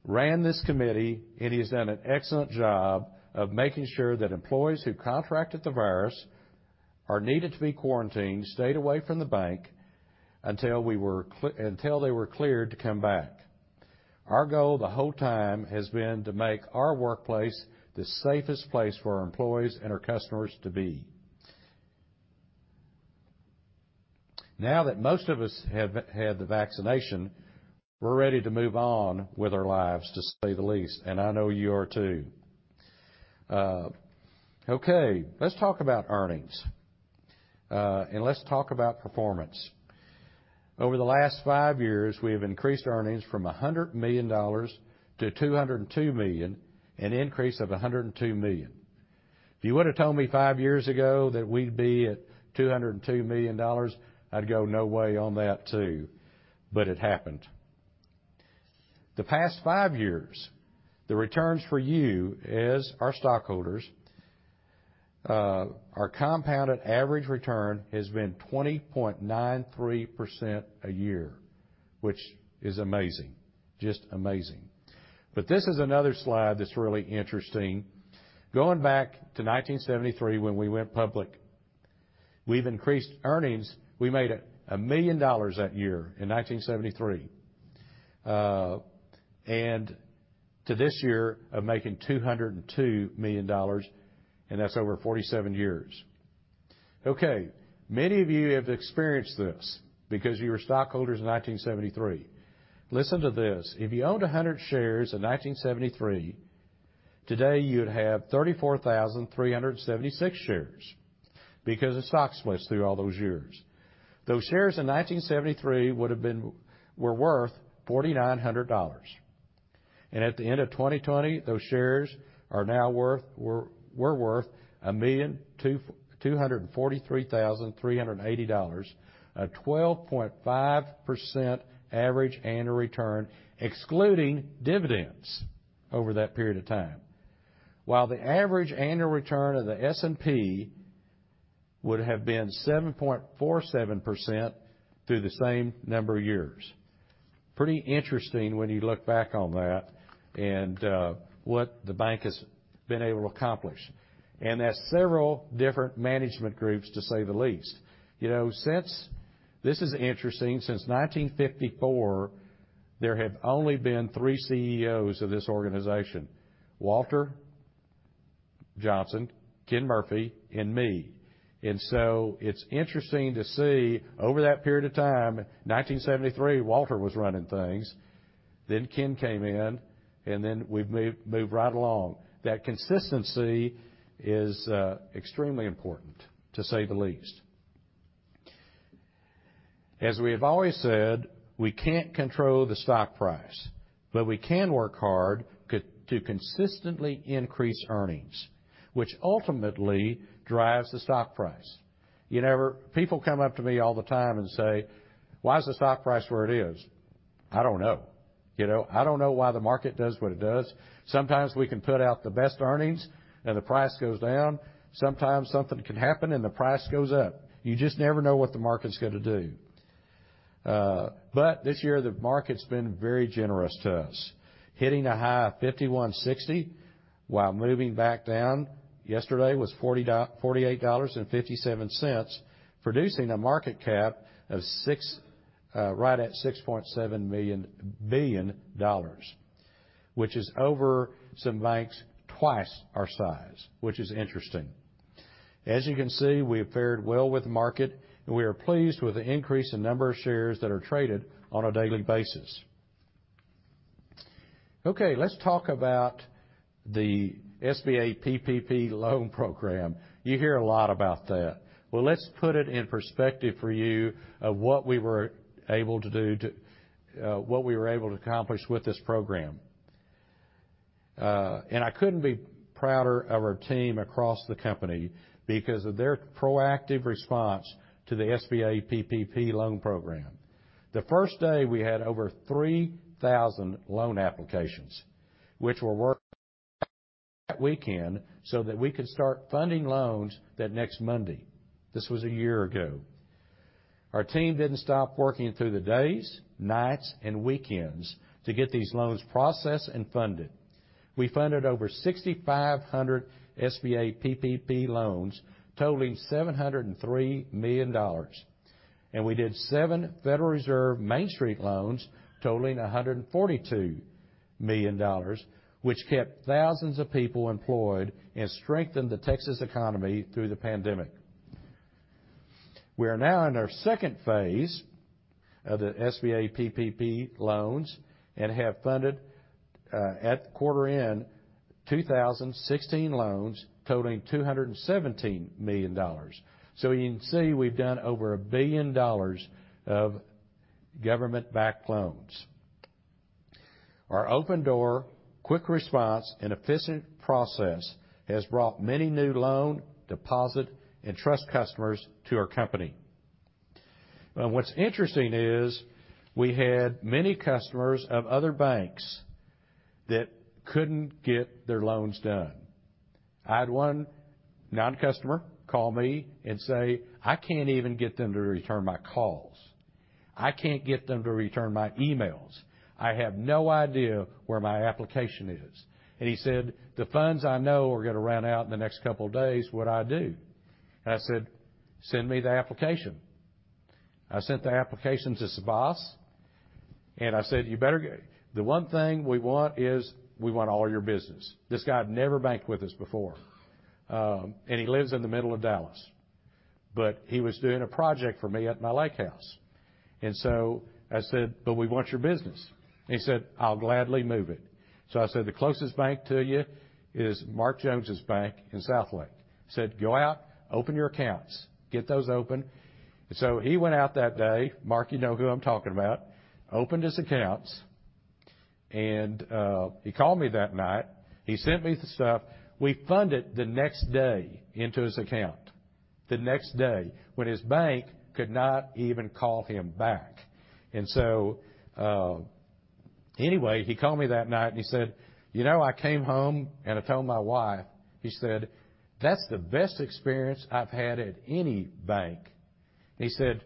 ran this committee and he's done an excellent job of making sure that employees who contracted the virus or needed to be quarantined, stayed away from the bank until they were cleared to come back. Our goal the whole time has been to make our workplace the safest place for our employees and our customers to be. Now that most of us have had the vaccination, we're ready to move on with our lives, to say the least, and I know you are too. Okay. Let's talk about earnings. Let's talk about performance. Over the last five years, we have increased earnings from $100 million to $202 million, an increase of $102 million. If you would've told me five years ago that we'd be at $202 million, I'd go, "No way" on that too, but it happened. The past five years, the returns for you as our stockholders, our compounded average return has been 20.93% a year, which is amazing. Just amazing. This is another slide that's really interesting. Going back to 1973, when we went public, we've increased earnings. We made $1 million that year in 1973, and to this year of making $202 million, and that's over 47 years. Okay. Many of you have experienced this because you were stockholders in 1973. Listen to this. If you owned 100 shares in 1973, today you'd have 34,376 shares because the stock splits through all those years. Those shares in 1973 were worth $4,900. At the end of 2020, those shares were worth $1,243,380. A 12.5% average annual return, excluding dividends over that period of time. While the average annual return of the S&P would have been 7.47% through the same number of years. Pretty interesting when you look back on that and what the bank has been able to accomplish. That's several different management groups, to say the least. This is interesting. Since 1954, there have only been three CEOs of this organization, Walter Johnson, Ken Murphy, and me. It's interesting to see over that period of time, 1973, Walter was running things. Ken came in, and then we've moved right along. That consistency is extremely important, to say the least. As we have always said, we can't control the stock price, but we can work hard to consistently increase earnings, which ultimately drives the stock price. People come up to me all the time and say, "Why is the stock price where it is?" I don't know. I don't know why the market does what it does. Sometimes we can put out the best earnings and the price goes down. Sometimes something can happen, and the price goes up. You just never know what the market's going to do. This year, the market's been very generous to us, hitting a high of $51.60, while moving back down. Yesterday was $48.57, producing a market cap right at $6.7 billion, which is over some banks twice our size, which is interesting. As you can see, we have fared well with the market, and we are pleased with the increase in number of shares that are traded on a daily basis. Okay, let's talk about the SBA PPP loan program. You hear a lot about that. Well, let's put it in perspective for you of what we were able to accomplish with this program. I couldn't be prouder of our team across the company because of their proactive response to the SBA PPP loan program. The first day, we had over 3,000 loan applications, which were worked that weekend so that we could start funding loans that next Monday. This was a year ago. Our team didn't stop working through the days, nights, and weekends to get these loans processed and funded. We funded over 6,500 SBA PPP loans totaling $703 million. We did seven Federal Reserve Main Street loans totaling $142 million, which kept thousands of people employed and strengthened the Texas economy through the pandemic. We are now in our second phase of the SBA PPP loans and have funded, at the quarter end, 2,016 loans totaling $217 million. You can see, we've done over $1 billion of government-backed loans. Our open door, quick response, and efficient process has brought many new loan, deposit, and trust customers to our company. We had many customers of other banks that couldn't get their loans done. I had one non-customer call me and say, "I can't even get them to return my calls. I can't get them to return my emails. I have no idea where my application is." He said, "The funds I know are going to run out in the next couple of days. What do I do?" I said, "Send me the application." I sent the application to Sabas. I said, "The one thing we want is we want all your business." This guy had never banked with us before. He lives in the middle of Dallas, but he was doing a project for me at my lake house. I said, "But we want your business." He said, "I'll gladly move it." I said, "The closest bank to you is Mark Jones' bank in Southlake." I said, "Go out, open your accounts. Get those open." He went out that day, Mark, you know who I'm talking about, opened his accounts, and he called me that night. He sent me the stuff. We funded the next day into his account, the next day, when his bank could not even call him back. Anyway, he called me that night, and he said, "I came home, and I told my wife," he said, "That's the best experience I've had at any bank." He said,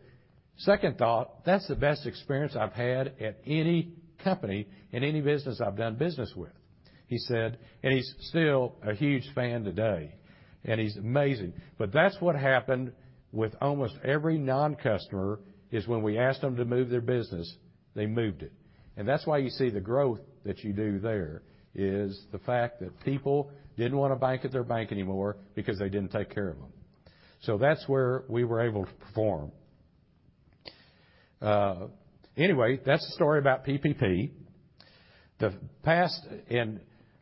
"Second thought, that's the best experience I've had at any company in any business I've done business with." He's still a huge fan today, and he's amazing. That's what happened with almost every non-customer, is when we asked them to move their business, they moved it. That's why you see the growth that you do there, is the fact that people didn't want to bank at their bank anymore because they didn't take care of them. That's where we were able to perform. Anyway, that's the story about PPP.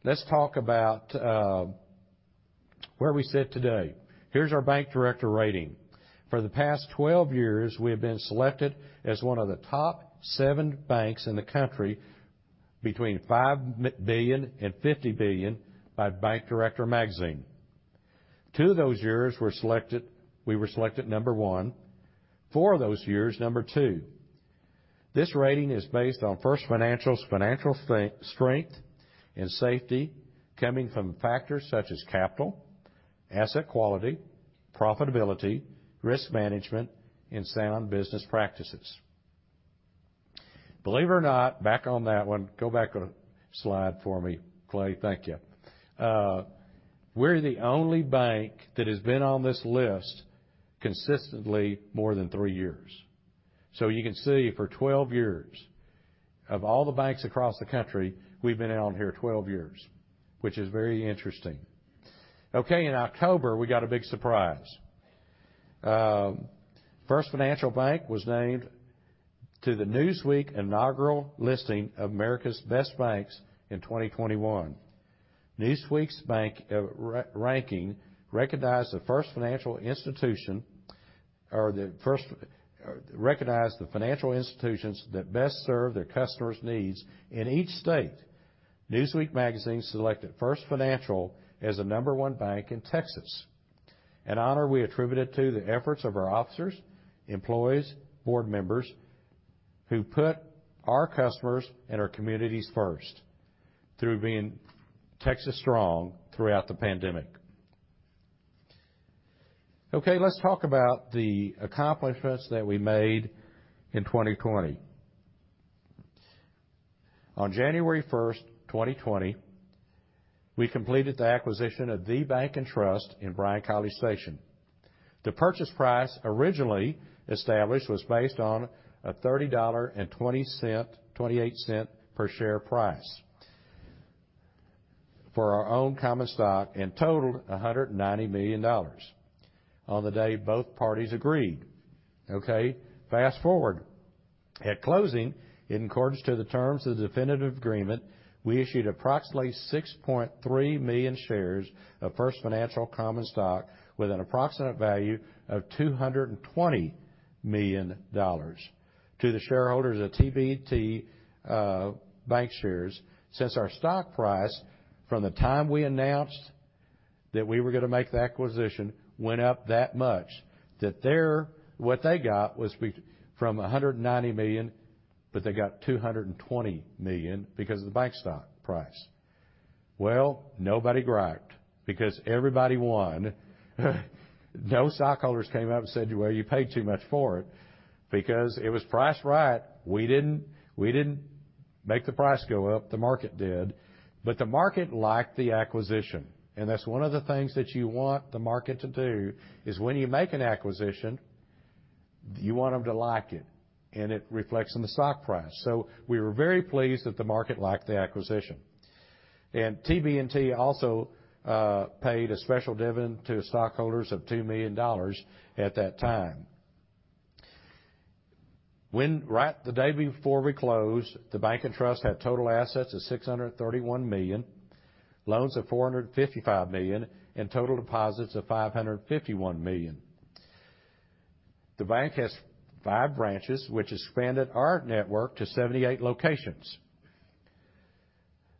Let's talk about where we sit today. Here's our Bank Director rating. For the past 12 years, we have been selected as one of the top seven banks in the country between $5 billion and $50 billion by Bank Director Magazine. Two of those years, we were selected number one, four of those years, number two. This rating is based on First Financial's financial strength and safety coming from factors such as capital, asset quality, profitability, risk management, and sound business practices. Believe it or not, back on that one. Go back a slide for me, Clay. Thank you. We're the only bank that has been on this list consistently more than three years. You can see, for 12 years, of all the banks across the country, we've been on here 12 years, which is very interesting. Okay, in October, we got a big surprise. First Financial Bank was named to the Newsweek Inaugural Listing of America's Best Banks in 2021. Newsweek's bank ranking recognized the financial institutions that best serve their customers' needs in each state. Newsweek Magazine selected First Financial as the number one bank in Texas, an honor we attributed to the efforts of our officers, employees, board members, who put our customers and our communities first through being Texas strong throughout the pandemic. Okay, let's talk about the accomplishments that we made in 2020. On January 1st, 2020, we completed the acquisition of The Bank & Trust in Bryan/College Station. The purchase price originally established was based on a $30.28 per share price for our own common stock and totaled $190 million on the day both parties agreed. Okay, fast-forward. At closing, in accordance to the terms of the definitive agreement, we issued approximately 6.3 million shares of First Financial common stock with an approximate value of $220 million to the shareholders of TB&T Bankshares. Since our stock price, from the time we announced that we were going to make the acquisition, went up that much, what they got was from $190 million, but they got $220 million because of the bank stock price. Well, nobody griped because everybody won. No stockholders came up and said, "Well, you paid too much for it," because it was priced right. We didn't make the price go up. The market did. The market liked the acquisition, and that's one of the things that you want the market to do, is when you make an acquisition, you want them to like it, and it reflects in the stock price. We were very pleased that the market liked the acquisition. TB&T also paid a special dividend to stockholders of $2 million at that time. The day before we closed, The Bank & Trust had total assets of $631 million, loans of $455 million, and total deposits of $551 million. The bank has five branches, which expanded our network to 78 locations.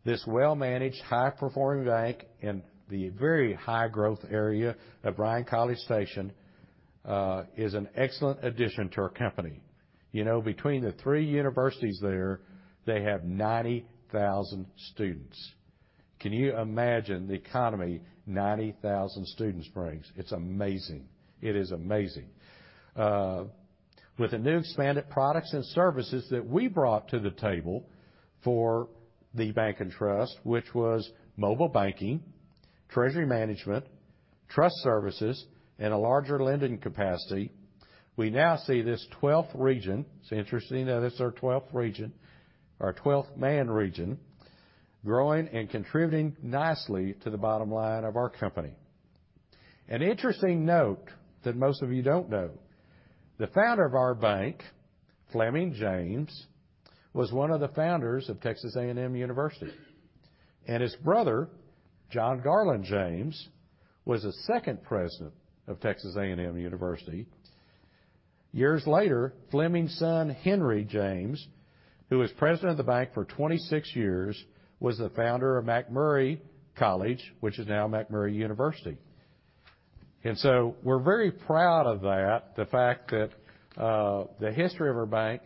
This well-managed, high-performing bank in the very high-growth area of Bryan-College Station is an excellent addition to our company. Between the three universities there, they have 90,000 students. Can you imagine the economy 90,000 students brings? It's amazing. It is amazing. With the new expanded products and services that we brought to the table for The Bank & Trust, which was mobile banking, treasury management, trust services, and a larger lending capacity, we now see this 12th region, it's interesting that it's our 12th region, our 12th man region, growing and contributing nicely to the bottom line of our company. An interesting note that most of you don't know, the founder of our bank, Fleming James, was one of the founders of Texas A&M University, and his brother, John Garland James, was the second president of Texas A&M University. Years later, Fleming's son, Henry James, who was president of the bank for 26 years, was the founder of McMurry College, which is now McMurry University. We're very proud of that, the fact that the history of our bank,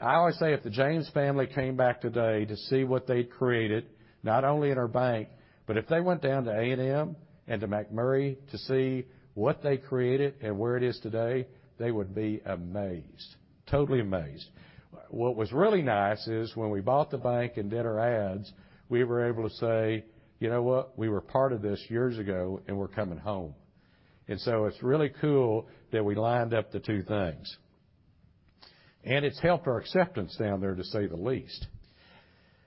I always say if the James family came back today to see what they'd created, not only in our bank, but if they went down to A&M and to McMurry to see what they created and where it is today, they would be amazed. Totally amazed. What was really nice is when we bought the bank and did our ads, we were able to say, "You know what? We were part of this years ago and we're coming home." It's really cool that we lined up the two things. It's helped our acceptance down there, to say the least.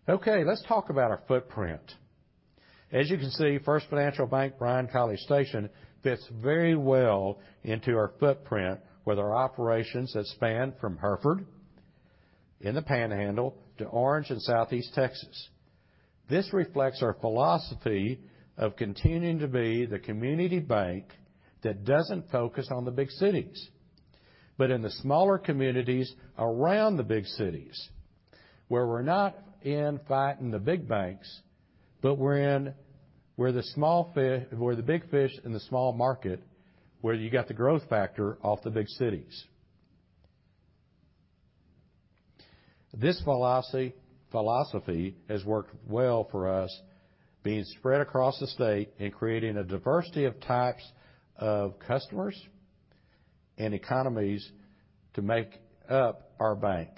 Okay, let's talk about our footprint. As you can see, First Financial Bank Bryan/College Station fits very well into our footprint with our operations that span from Hereford in the Panhandle to Orange in Southeast Texas. This reflects our philosophy of continuing to be the community bank that doesn't focus on the big cities, but in the smaller communities around the big cities, where we're not in fighting the big banks, but we're the big fish in the small market, where you got the growth factor off the big cities. This philosophy has worked well for us, being spread across the state and creating a diversity of types of customers and economies to make up our bank.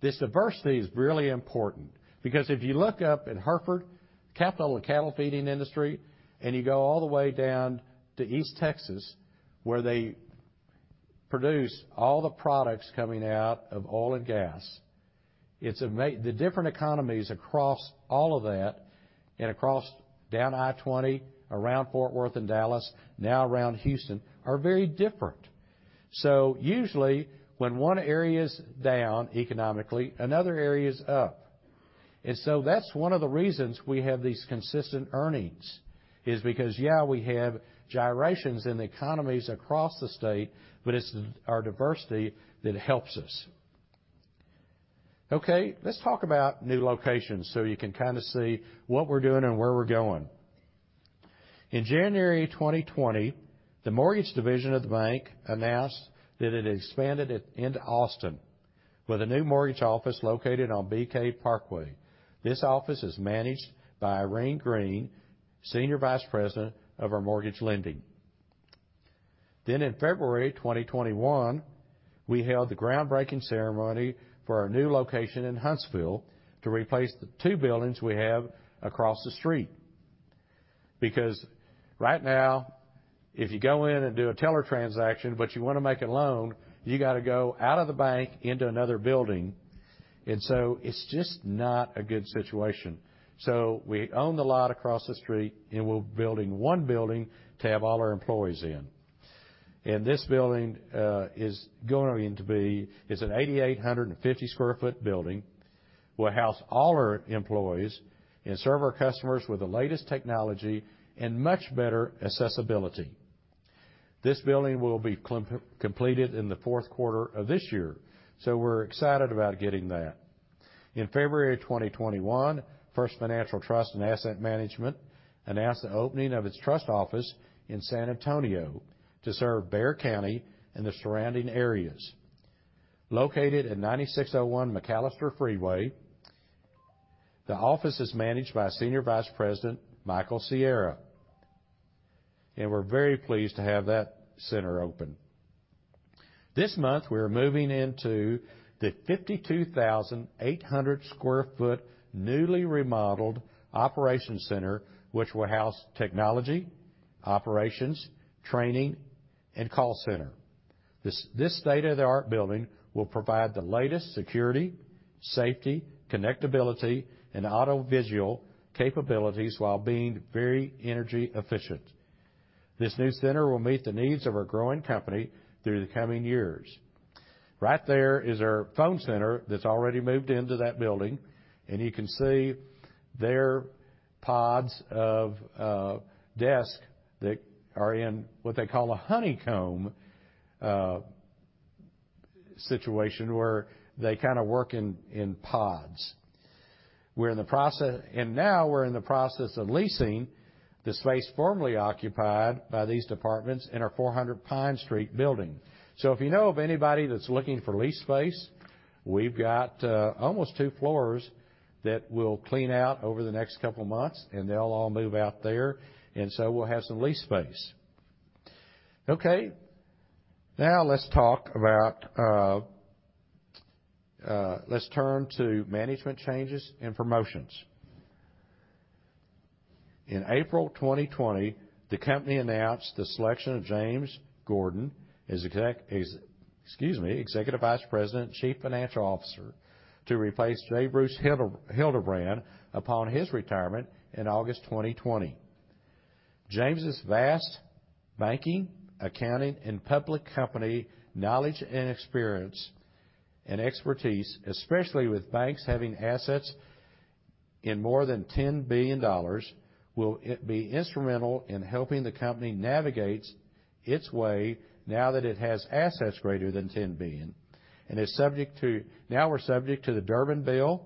This diversity is really important because if you look up in Hereford, the capital of the cattle feeding industry, and you go all the way down to East Texas, where they produce all the products coming out of oil and gas. The different economies across all of that and across down I-20, around Fort Worth and Dallas, now around Houston, are very different. Usually, when one area's down economically, another area's up. That's one of the reasons we have these consistent earnings, is because, yeah, we have gyrations in the economies across the state, but it's our diversity that helps us. Okay, let's talk about new locations so you can kind of see what we're doing and where we're going. In January 2020, the mortgage division of the bank announced that it expanded into Austin with a new mortgage office located on Bee Cave Parkway. This office is managed by Irene Green, Senior Vice President of our Mortgage Lending. In February 2021, we held the groundbreaking ceremony for our new location in Huntsville to replace the two buildings we have across the street. Because right now, if you go in and do a teller transaction, but you want to make a loan, you got to go out of the bank into another building. It's just not a good situation. We own the lot across the street, and we're building one building to have all our employees in. This building is going to be an 8,850 square foot building, will house all our employees and serve our customers with the latest technology and much better accessibility. This building will be completed in the fourth quarter of this year, so we're excited about getting that. In February of 2021, First Financial Trust and Asset Management announced the opening of its trust office in San Antonio to serve Bexar County and the surrounding areas. Located at 9601 McAllister Freeway, the office is managed by Senior Vice President Michael Sierra. We're very pleased to have that center open. This month, we are moving into the 52,800 sq ft, newly remodeled operations center, which will house technology, operations, training, and call center. This state-of-the-art building will provide the latest security, safety, connectability, and audiovisual capabilities while being very energy efficient. This new center will meet the needs of our growing company through the coming years. Right there is our phone center that's already moved into that building, and you can see their pods of desk that are in what they call a honeycomb situation, where they kind of work in pods. Now we're in the process of leasing the space formerly occupied by these departments in our 400 Pine Street building. If you know of anybody that's looking for lease space, we've got almost two floors that we'll clean out over the next couple of months, and they'll all move out there. We'll have some lease space. Now let's turn to management changes and promotions. In April 2020, the company announced the selection of James Gordon as Executive Vice President and Chief Financial Officer to replace J. Bruce Hildebrand upon his retirement in August 2020. James' vast banking, accounting, and public company knowledge and experience and expertise, especially with banks having assets in more than $10 billion, will be instrumental in helping the company navigate its way now that it has assets greater than $10 billion. We're subject to the Durbin Amendment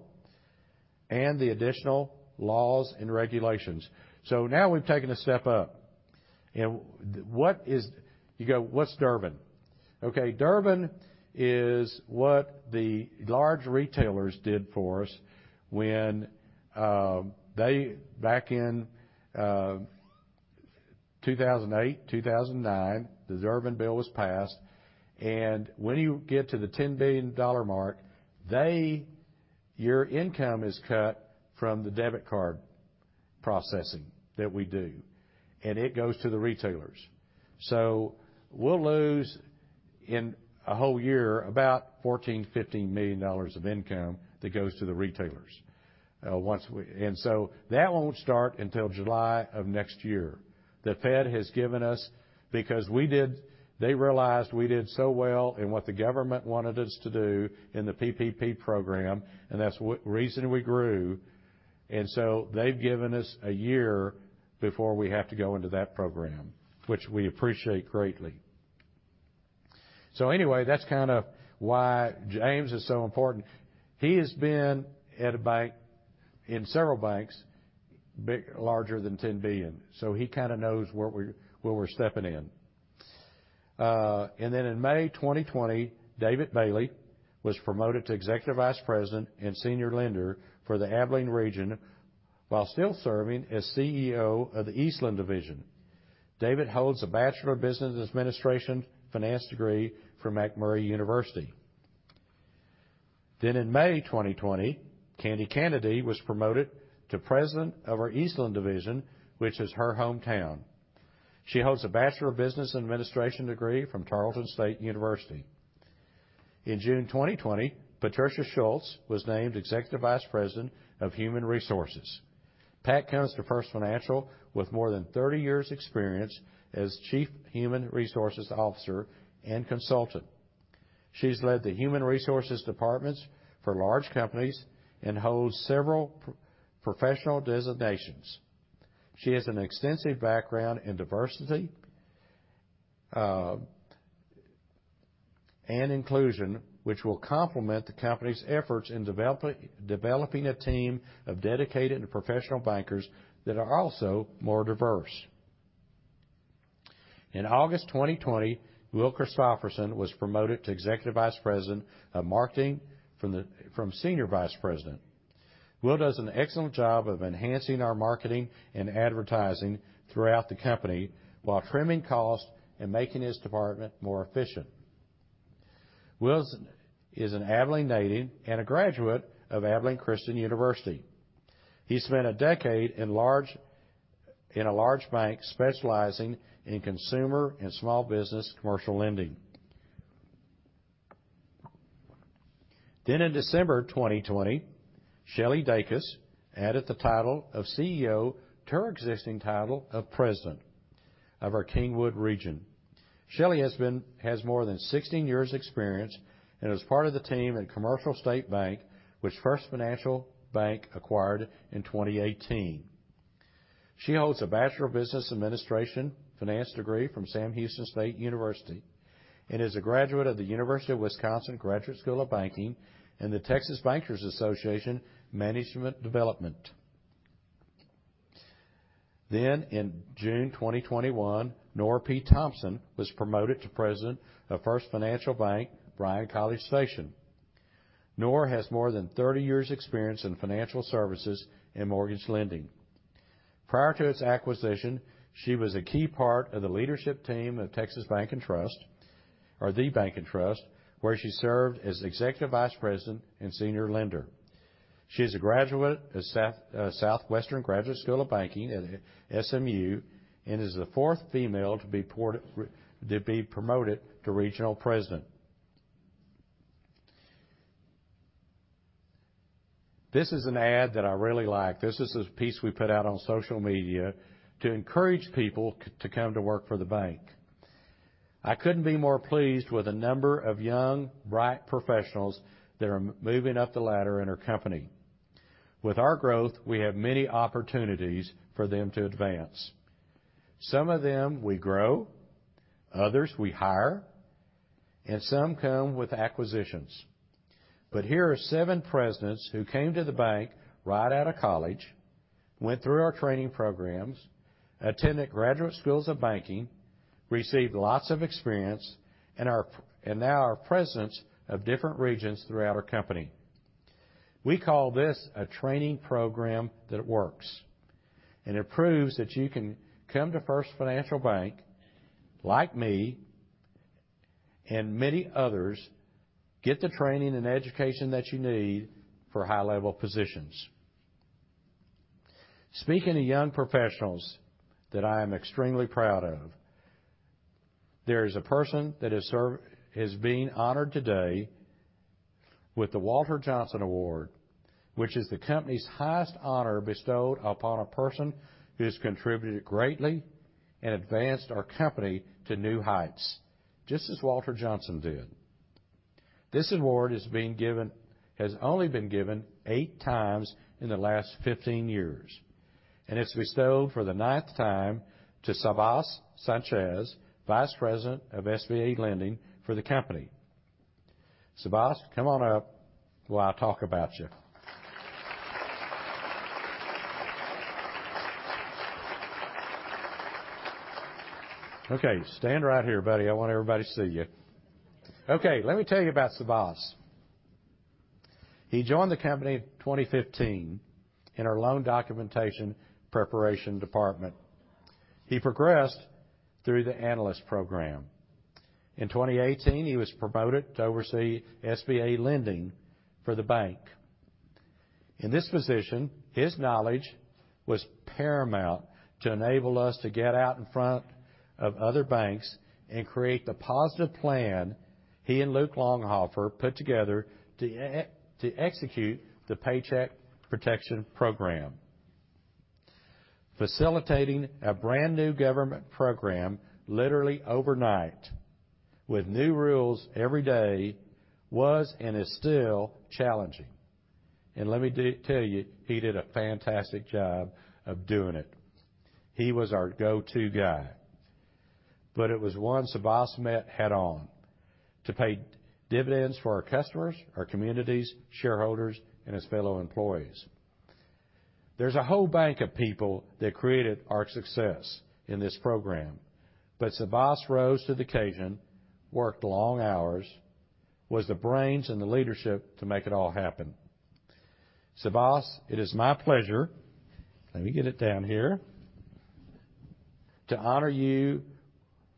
and the additional laws and regulations. Now we've taken a step up. You go, "What's Durbin?" Durbin is what the large retailers did for us when back in 2008, 2009, the Durbin Amendment was passed, and when you get to the $10 billion mark, your income is cut from the debit card processing that we do, and it goes to the retailers. We'll lose, in a whole year, about $14 million-$15 million of income that goes to the retailers. That won't start until July of next year. The Fed has given us because they realized we did so well in what the government wanted us to do in the PPP program, and that's the reason we grew. They've given us a year before we have to go into that program, which we appreciate greatly. That's kind of why James Gordon is so important. He has been in several banks larger than $10 billion, he kind of knows where we're stepping in. In May 2020, David Bailey was promoted to Executive Vice President and Senior Lender for the Abilene Region while still serving as CEO of the Eastland Division. David holds a Bachelor of Business Administration finance degree from McMurry University. In May 2020, Candi Kanady was promoted to President of our Eastland Division, which is her hometown. She holds a Bachelor of Business Administration degree from Tarleton State University. In June 2020, Patricia Schulz was named Executive Vice President of Human Resources. Pat comes to First Financial with more than 30 years experience as Chief Human Resources Officer and consultant. She's led the Human Resources departments for large companies and holds several professional designations. She has an extensive background in diversity and inclusion, which will complement the company's efforts in developing a team of dedicated and professional bankers that are also more diverse. In August 2020, Will Christoferson was promoted to Executive Vice President of Marketing from Senior Vice President. Will does an excellent job of enhancing our marketing and advertising throughout the company while trimming costs and making his department more efficient. Will is an Abilene native and a graduate of Abilene Christian University. He spent a decade in a large bank specializing in consumer and small business commercial lending. In December 2020, Shelley Dacus added the title of CEO to her existing title of President of our Kingwood Region. Shelley has more than 16 years experience and was part of the team at Commercial State Bank, which First Financial Bank acquired in 2018. She holds a Bachelor of Business Administration finance degree from Sam Houston State University and is a graduate of the University of Wisconsin Graduate School of Banking and the Texas Bankers Association Management Development. In June 2021, Nora P. Thompson was promoted to President of First Financial Bank, Bryan-College Station. Nora has more than 30 years experience in financial services and mortgage lending. Prior to its acquisition, she was a key part of the leadership team of The Bank & Trust, where she served as Executive Vice President and Senior Lender. She is a graduate of Southwestern Graduate School of Banking at SMU and is the fourth female to be promoted to Regional President. This is an ad that I really like. This is a piece we put out on social media to encourage people to come to work for the bank. I couldn't be more pleased with the number of young, bright professionals that are moving up the ladder in our company. With our growth, we have many opportunities for them to advance. Some of them we grow, others we hire, and some come with acquisitions. Here are seven presidents who came to the bank right out of college, went through our training programs, attended graduate schools of banking, received lots of experience, and now are presidents of different regions throughout our company. We call this a training program that works, and it proves that you can come to First Financial Bank, like me and many others, get the training and education that you need for high-level positions. Speaking of young professionals that I am extremely proud of, there is a person that is being honored today with the Walter Johnson Award, which is the company's highest honor bestowed upon a person who has contributed greatly and advanced our company to new heights, just as Walter Johnson did. This award has only been given eight times in the last 15 years. It's bestowed for the ninth time to Sabas Sanchez, vice president of SBA lending for the company. Sabas, come on up while I talk about you. Okay. Stand right here, buddy. I want everybody to see you. Okay, let me tell you about Sabas. He joined the company in 2015 in our loan documentation preparation department. He progressed through the analyst program. In 2018, he was promoted to oversee SBA lending for the bank. In this position, his knowledge was paramount to enable us to get out in front of other banks and create the positive plan he and Luke Longhofer put together to execute the Paycheck Protection Program. Facilitating a brand-new government program literally overnight with new rules every day was and is still challenging. Let me tell you, he did a fantastic job of doing it. He was our go-to guy. It was one Sabas met head-on to pay dividends for our customers, our communities, shareholders, and his fellow employees. There's a whole bank of people that created our success in this program. Sabas rose to the occasion, worked long hours, was the brains and the leadership to make it all happen. Sabas, it is my pleasure, let me get it down here, to honor you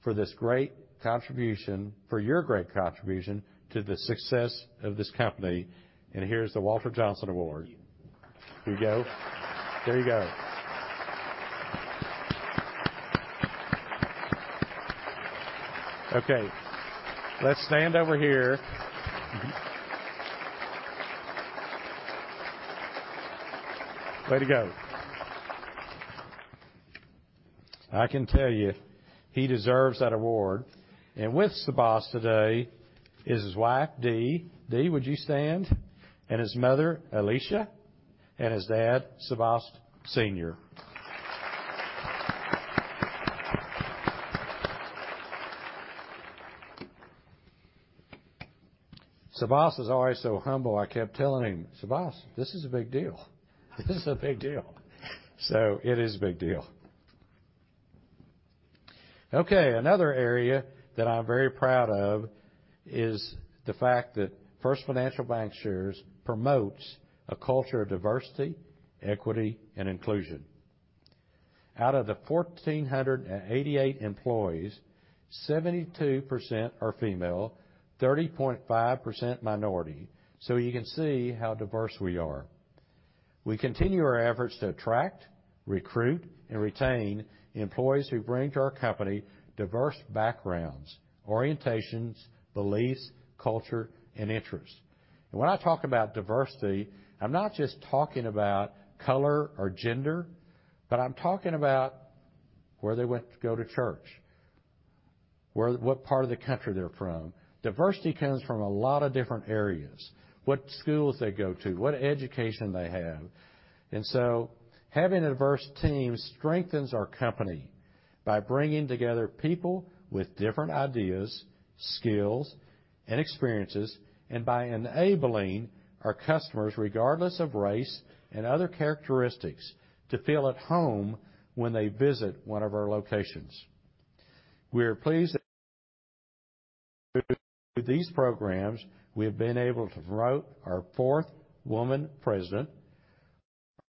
for your great contribution to the success of this company, and here is the Walter Johnson Award. Here you go. There you go. Okay. Let's stand over here. Way to go. I can tell you, he deserves that award. With Sabas today is his wife, Dee. Dee, would you stand? His mother, Alicia, and his dad, Sabas Senior. Sabas is always so humble. I kept telling him, "Sabas, this is a big deal. This is a big deal." It is a big deal. Okay, another area that I'm very proud of is the fact that First Financial Bankshares promotes a culture of diversity, equity, and inclusion. Out of the 1,488 employees, 72% are female, 30.5% minority. You can see how diverse we are. We continue our efforts to attract, recruit, and retain employees who bring to our company diverse backgrounds, orientations, beliefs, culture, and interests. When I talk about diversity, I'm not just talking about color or gender, but I'm talking about where they go to church, what part of the country they're from. Diversity comes from a lot of different areas. What schools they go to, what education they have. Having a diverse team strengthens our company by bringing together people with different ideas, skills, and experiences, and by enabling our customers, regardless of race and other characteristics, to feel at home when they visit one of our locations. We are pleased that through these programs, we have been able to promote our fourth woman president,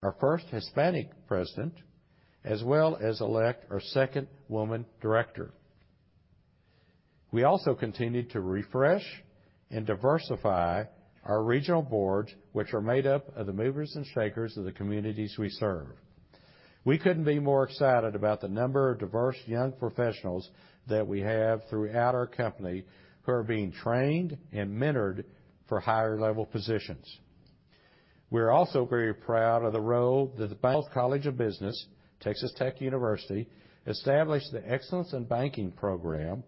our first Hispanic president, as well as elect our second woman director. We also continue to refresh and diversify our regional boards, which are made up of the movers and shakers of the communities we serve. We couldn't be more excited about the number of diverse young professionals that we have throughout our company who are being trained and mentored for higher-level positions. We're also very proud of the role that the College of Business, Texas Tech University, established the Excellence in Banking program,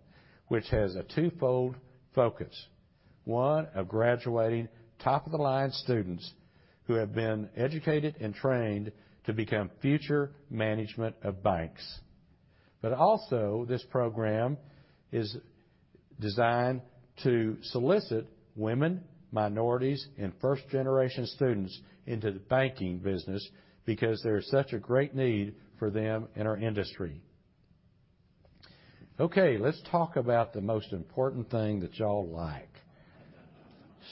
which has a twofold focus. One of graduating top-of-the-line students who have been educated and trained to become future management of banks. Also, this program is designed to solicit women, minorities, and first-generation students into the banking business because there is such a great need for them in our industry. Okay. Let's talk about the most important thing that you all like.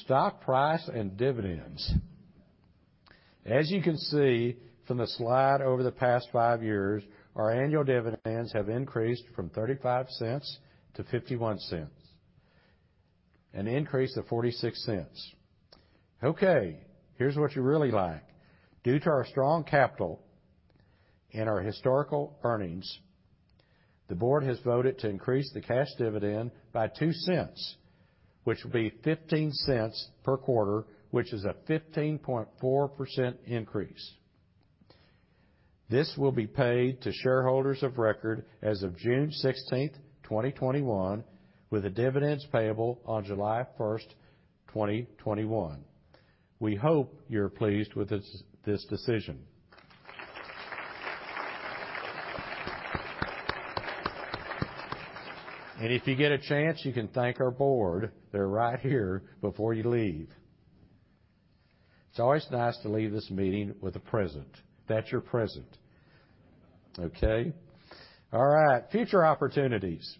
Stock price and dividends. As you can see from the slide over the past five years, our annual dividends have increased from $0.35 to $0.51, an increase of $0.46. Okay. Here's what you really like. Due to our strong capital and our historical earnings, the board has voted to increase the cash dividend by $0.02, which will be $0.15 per quarter, which is a 15.4% increase. This will be paid to shareholders of record as of June 16th, 2021, with the dividends payable on July 1st, 2021. We hope you're pleased with this decision. If you get a chance, you can thank our board, they're right here, before you leave. It's always nice to leave this meeting with a present. That's your present. Okay? All right. Future opportunities.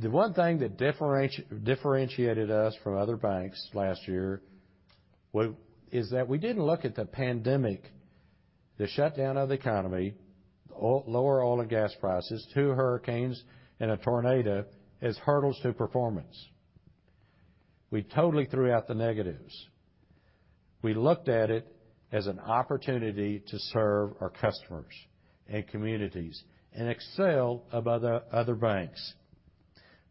The one thing that differentiated us from other banks last year is that we didn't look at the pandemic, the shutdown of the economy, lower oil and gas prices, two hurricanes, and a tornado as hurdles to performance. We totally threw out the negatives. We looked at it as an opportunity to serve our customers and communities and excel above the other banks.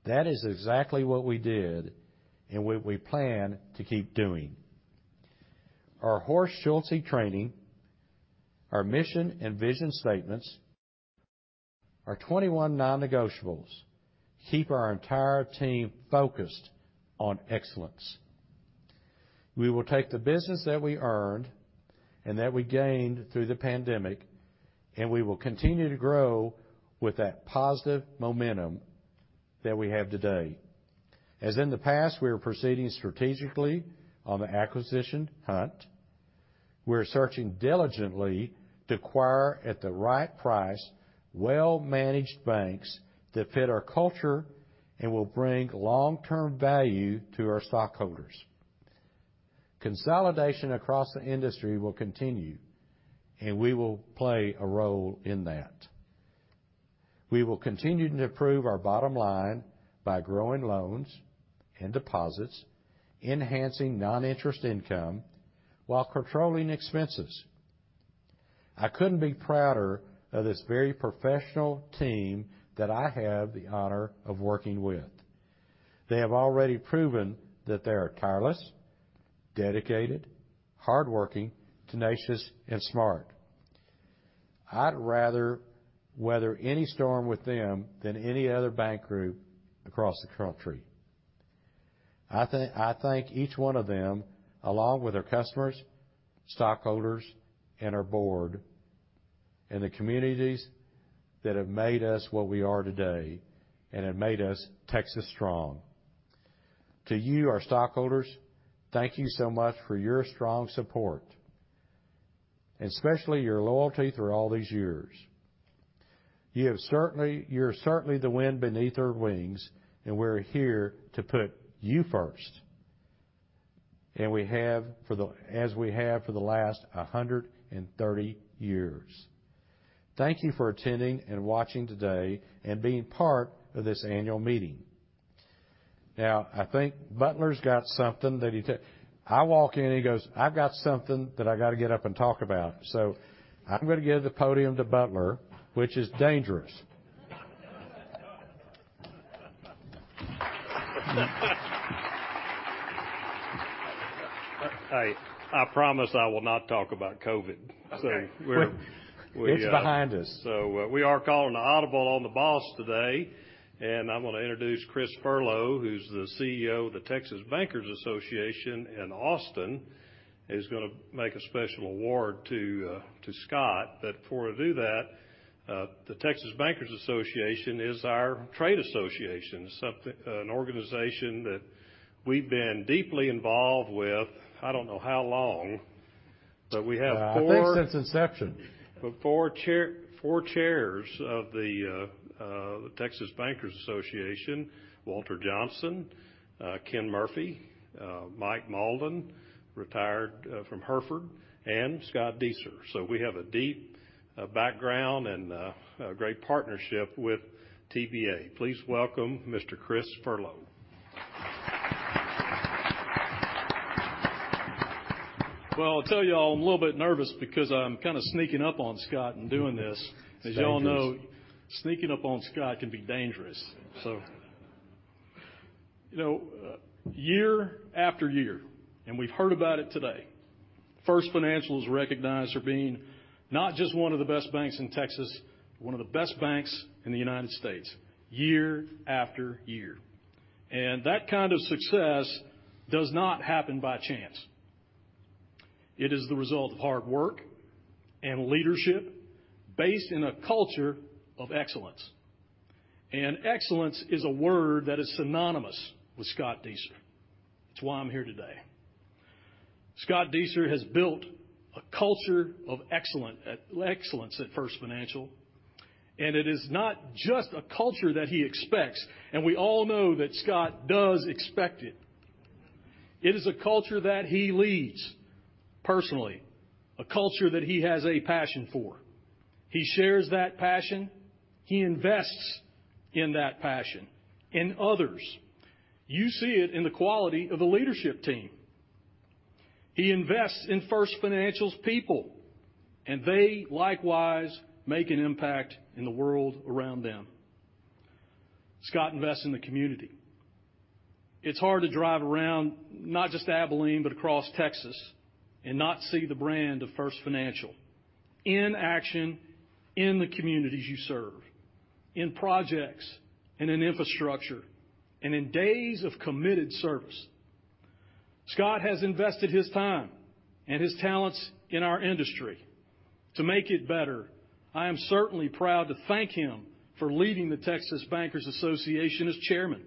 That is exactly what we did and what we plan to keep doing. Our Horst Schulze training, our mission and vision statements, our 21 non-negotiables keep our entire team focused on excellence. We will take the business that we earned and that we gained through the pandemic, and we will continue to grow with that positive momentum that we have today. As in the past, we are proceeding strategically on the acquisition hunt. We are searching diligently to acquire at the right price well-managed banks that fit our culture and will bring long-term value to our stockholders. Consolidation across the industry will continue, and we will play a role in that. We will continue to improve our bottom line by growing loans and deposits, enhancing non-interest income, while controlling expenses. I couldn't be prouder of this very professional team that I have the honor of working with. They have already proven that they are tireless, dedicated, hardworking, tenacious, and smart. I'd rather weather any storm with them than any other bank group across the country. I thank each one of them, along with our customers, stockholders, and our board, and the communities that have made us what we are today and have made us Texas strong. To you, our stockholders, thank you so much for your strong support, and especially your loyalty through all these years. You're certainly the wind beneath our wings, and we're here to put you first, as we have for the last 130 years. Thank you for attending and watching today and being part of this annual meeting. I think Butler's got something that I walk in, he goes, "I've got something that I got to get up and talk about." I'm going to give the podium to Butler, which is dangerous. I promise I will not talk about COVID. Okay. It's behind us. We are calling an audible on the boss today, and I'm going to introduce Chris Furlow, who's the CEO of the Texas Bankers Association in Austin. He's going to make a special award to Scott. Before I do that, the Texas Bankers Association is our trade association. An organization that we've been deeply involved with, I don't know how long, but we have. I think since inception. Four chairs of the Texas Bankers Association, Walter Johnson, Ken Murphy, Mike Mauldin, retired from Hereford, and F. Scott Dueser. We have a deep background and a great partnership with TBA. Please welcome Mr. Chris Furlow. Well, I'll tell you all, I'm a little bit nervous because I'm kind of sneaking up on Scott in doing this. It's dangerous. As you all know, sneaking up on Scott can be dangerous. Year after year, and we've heard about it today, First Financial is recognized for being not just one of the best banks in Texas, but one of the best banks in the United States, year after year. That kind of success does not happen by chance. It is the result of hard work and leadership based in a culture of excellence. Excellence is a word that is synonymous with Scott Dueser. It's why I'm here today. Scott Dueser has built a culture of excellence at First Financial, and it is not just a culture that he expects, and we all know that Scott does expect it. It is a culture that he leads personally, a culture that he has a passion for. He shares that passion. He invests in that passion in others. You see it in the quality of the leadership team. He invests in First Financial's people, and they likewise make an impact in the world around them. Scott invests in the community. It's hard to drive around, not just Abilene, but across Texas, and not see the brand of First Financial in action in the communities you serve, in projects and in infrastructure, and in days of committed service. Scott has invested his time and his talents in our industry to make it better. I am certainly proud to thank him for leading the Texas Bankers Association as chairman.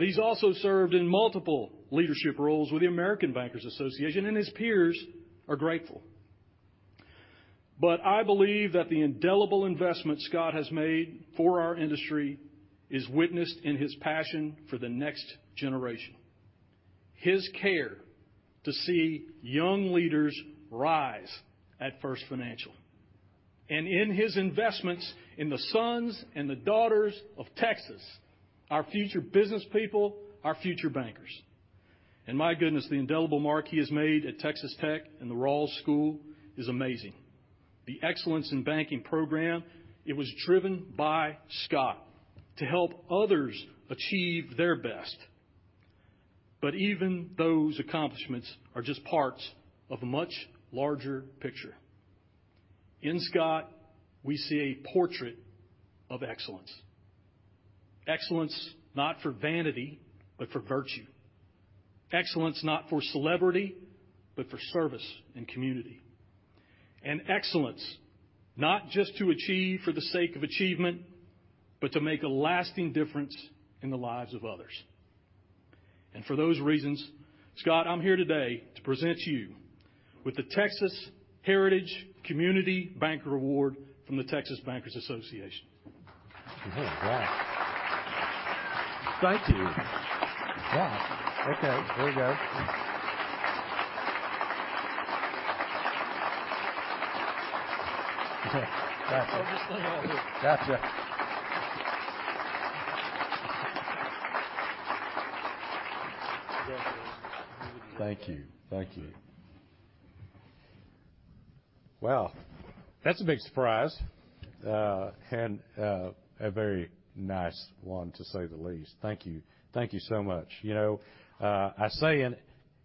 He's also served in multiple leadership roles with the American Bankers Association, and his peers are grateful. I believe that the indelible investment Scott has made for our industry is witnessed in his passion for the next generation, his care to see young leaders rise at First Financial. In his investments in the sons and the daughters of Texas, our future businesspeople, our future bankers. My goodness, the indelible mark he has made at Texas Tech and the Rawls College of Business is amazing. The Excellence in Banking program, it was driven by Scott to help others achieve their best. Even those accomplishments are just parts of a much larger picture. In Scott, we see a portrait of excellence. Excellence, not for vanity, but for virtue. Excellence not for celebrity, but for service and community. Excellence, not just to achieve for the sake of achievement, but to make a lasting difference in the lives of others. For those reasons, Scott, I'm here today to present you with the Texas Heritage Community Banker Award from the Texas Bankers Association. Oh, wow. Thank you. Yeah. Okay, here we go. Okay, gotcha. I'll just stand out here. Gotcha. Congratulations. Thank you. Thank you. Wow. That's a big surprise. A very nice one, to say the least. Thank you. Thank you so much. I say in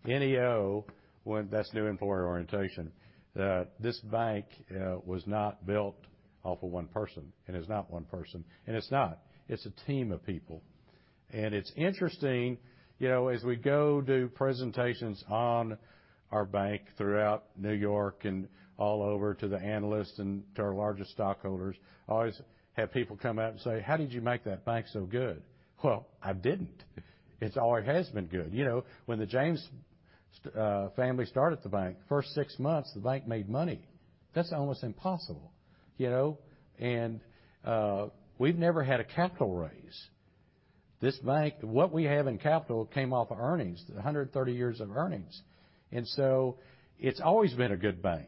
NEO, well, that's new employee orientation, that this bank was not built off of one person, is not one person. It's not. It's a team of people. It's interesting, as we go do presentations on our bank throughout New York and all over to the analysts and to our largest stockholders, always have people come up and say, "How did you make that bank so good?" Well, I didn't. It always has been good. When the James family started the bank, first six months, the bank made money. That's almost impossible. We've never had a capital raise. This bank, what we have in capital came off of earnings, 130 years of earnings. It's always been a good bank.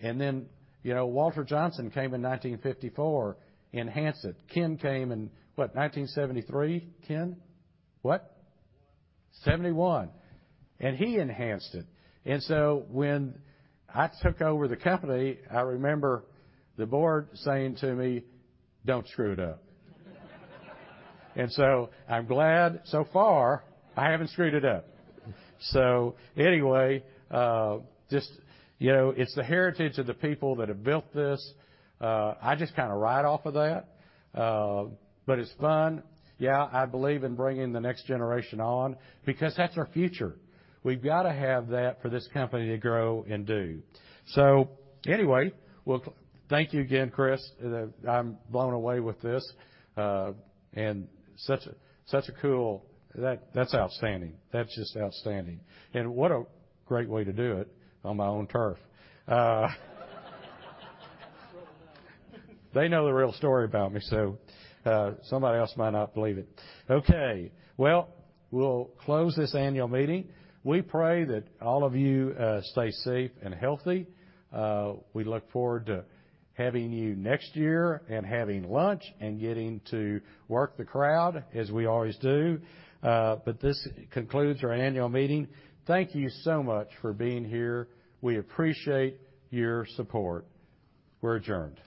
Then Walter Johnson came in 1954, enhanced it. Ken came in, what, 1973, Ken? What? 1971. He enhanced it. When I took over the company, I remember the board saying to me, "Don't screw it up." I'm glad so far I haven't screwed it up. It's the heritage of the people that have built this. I just kind of ride off of that. It's fun. Yeah, I believe in bringing the next generation on because that's our future. We've got to have that for this company to grow and do. Thank you again, Chris. I'm blown away with this. That's outstanding. That's just outstanding. What a great way to do it, on my own turf. They know the real story about me. Somebody else might not believe it. Okay. Well, we'll close this annual meeting. We pray that all of you stay safe and healthy. We look forward to having you next year and having lunch and getting to work the crowd as we always do. This concludes our annual meeting. Thank you so much for being here. We appreciate your support. We're adjourned.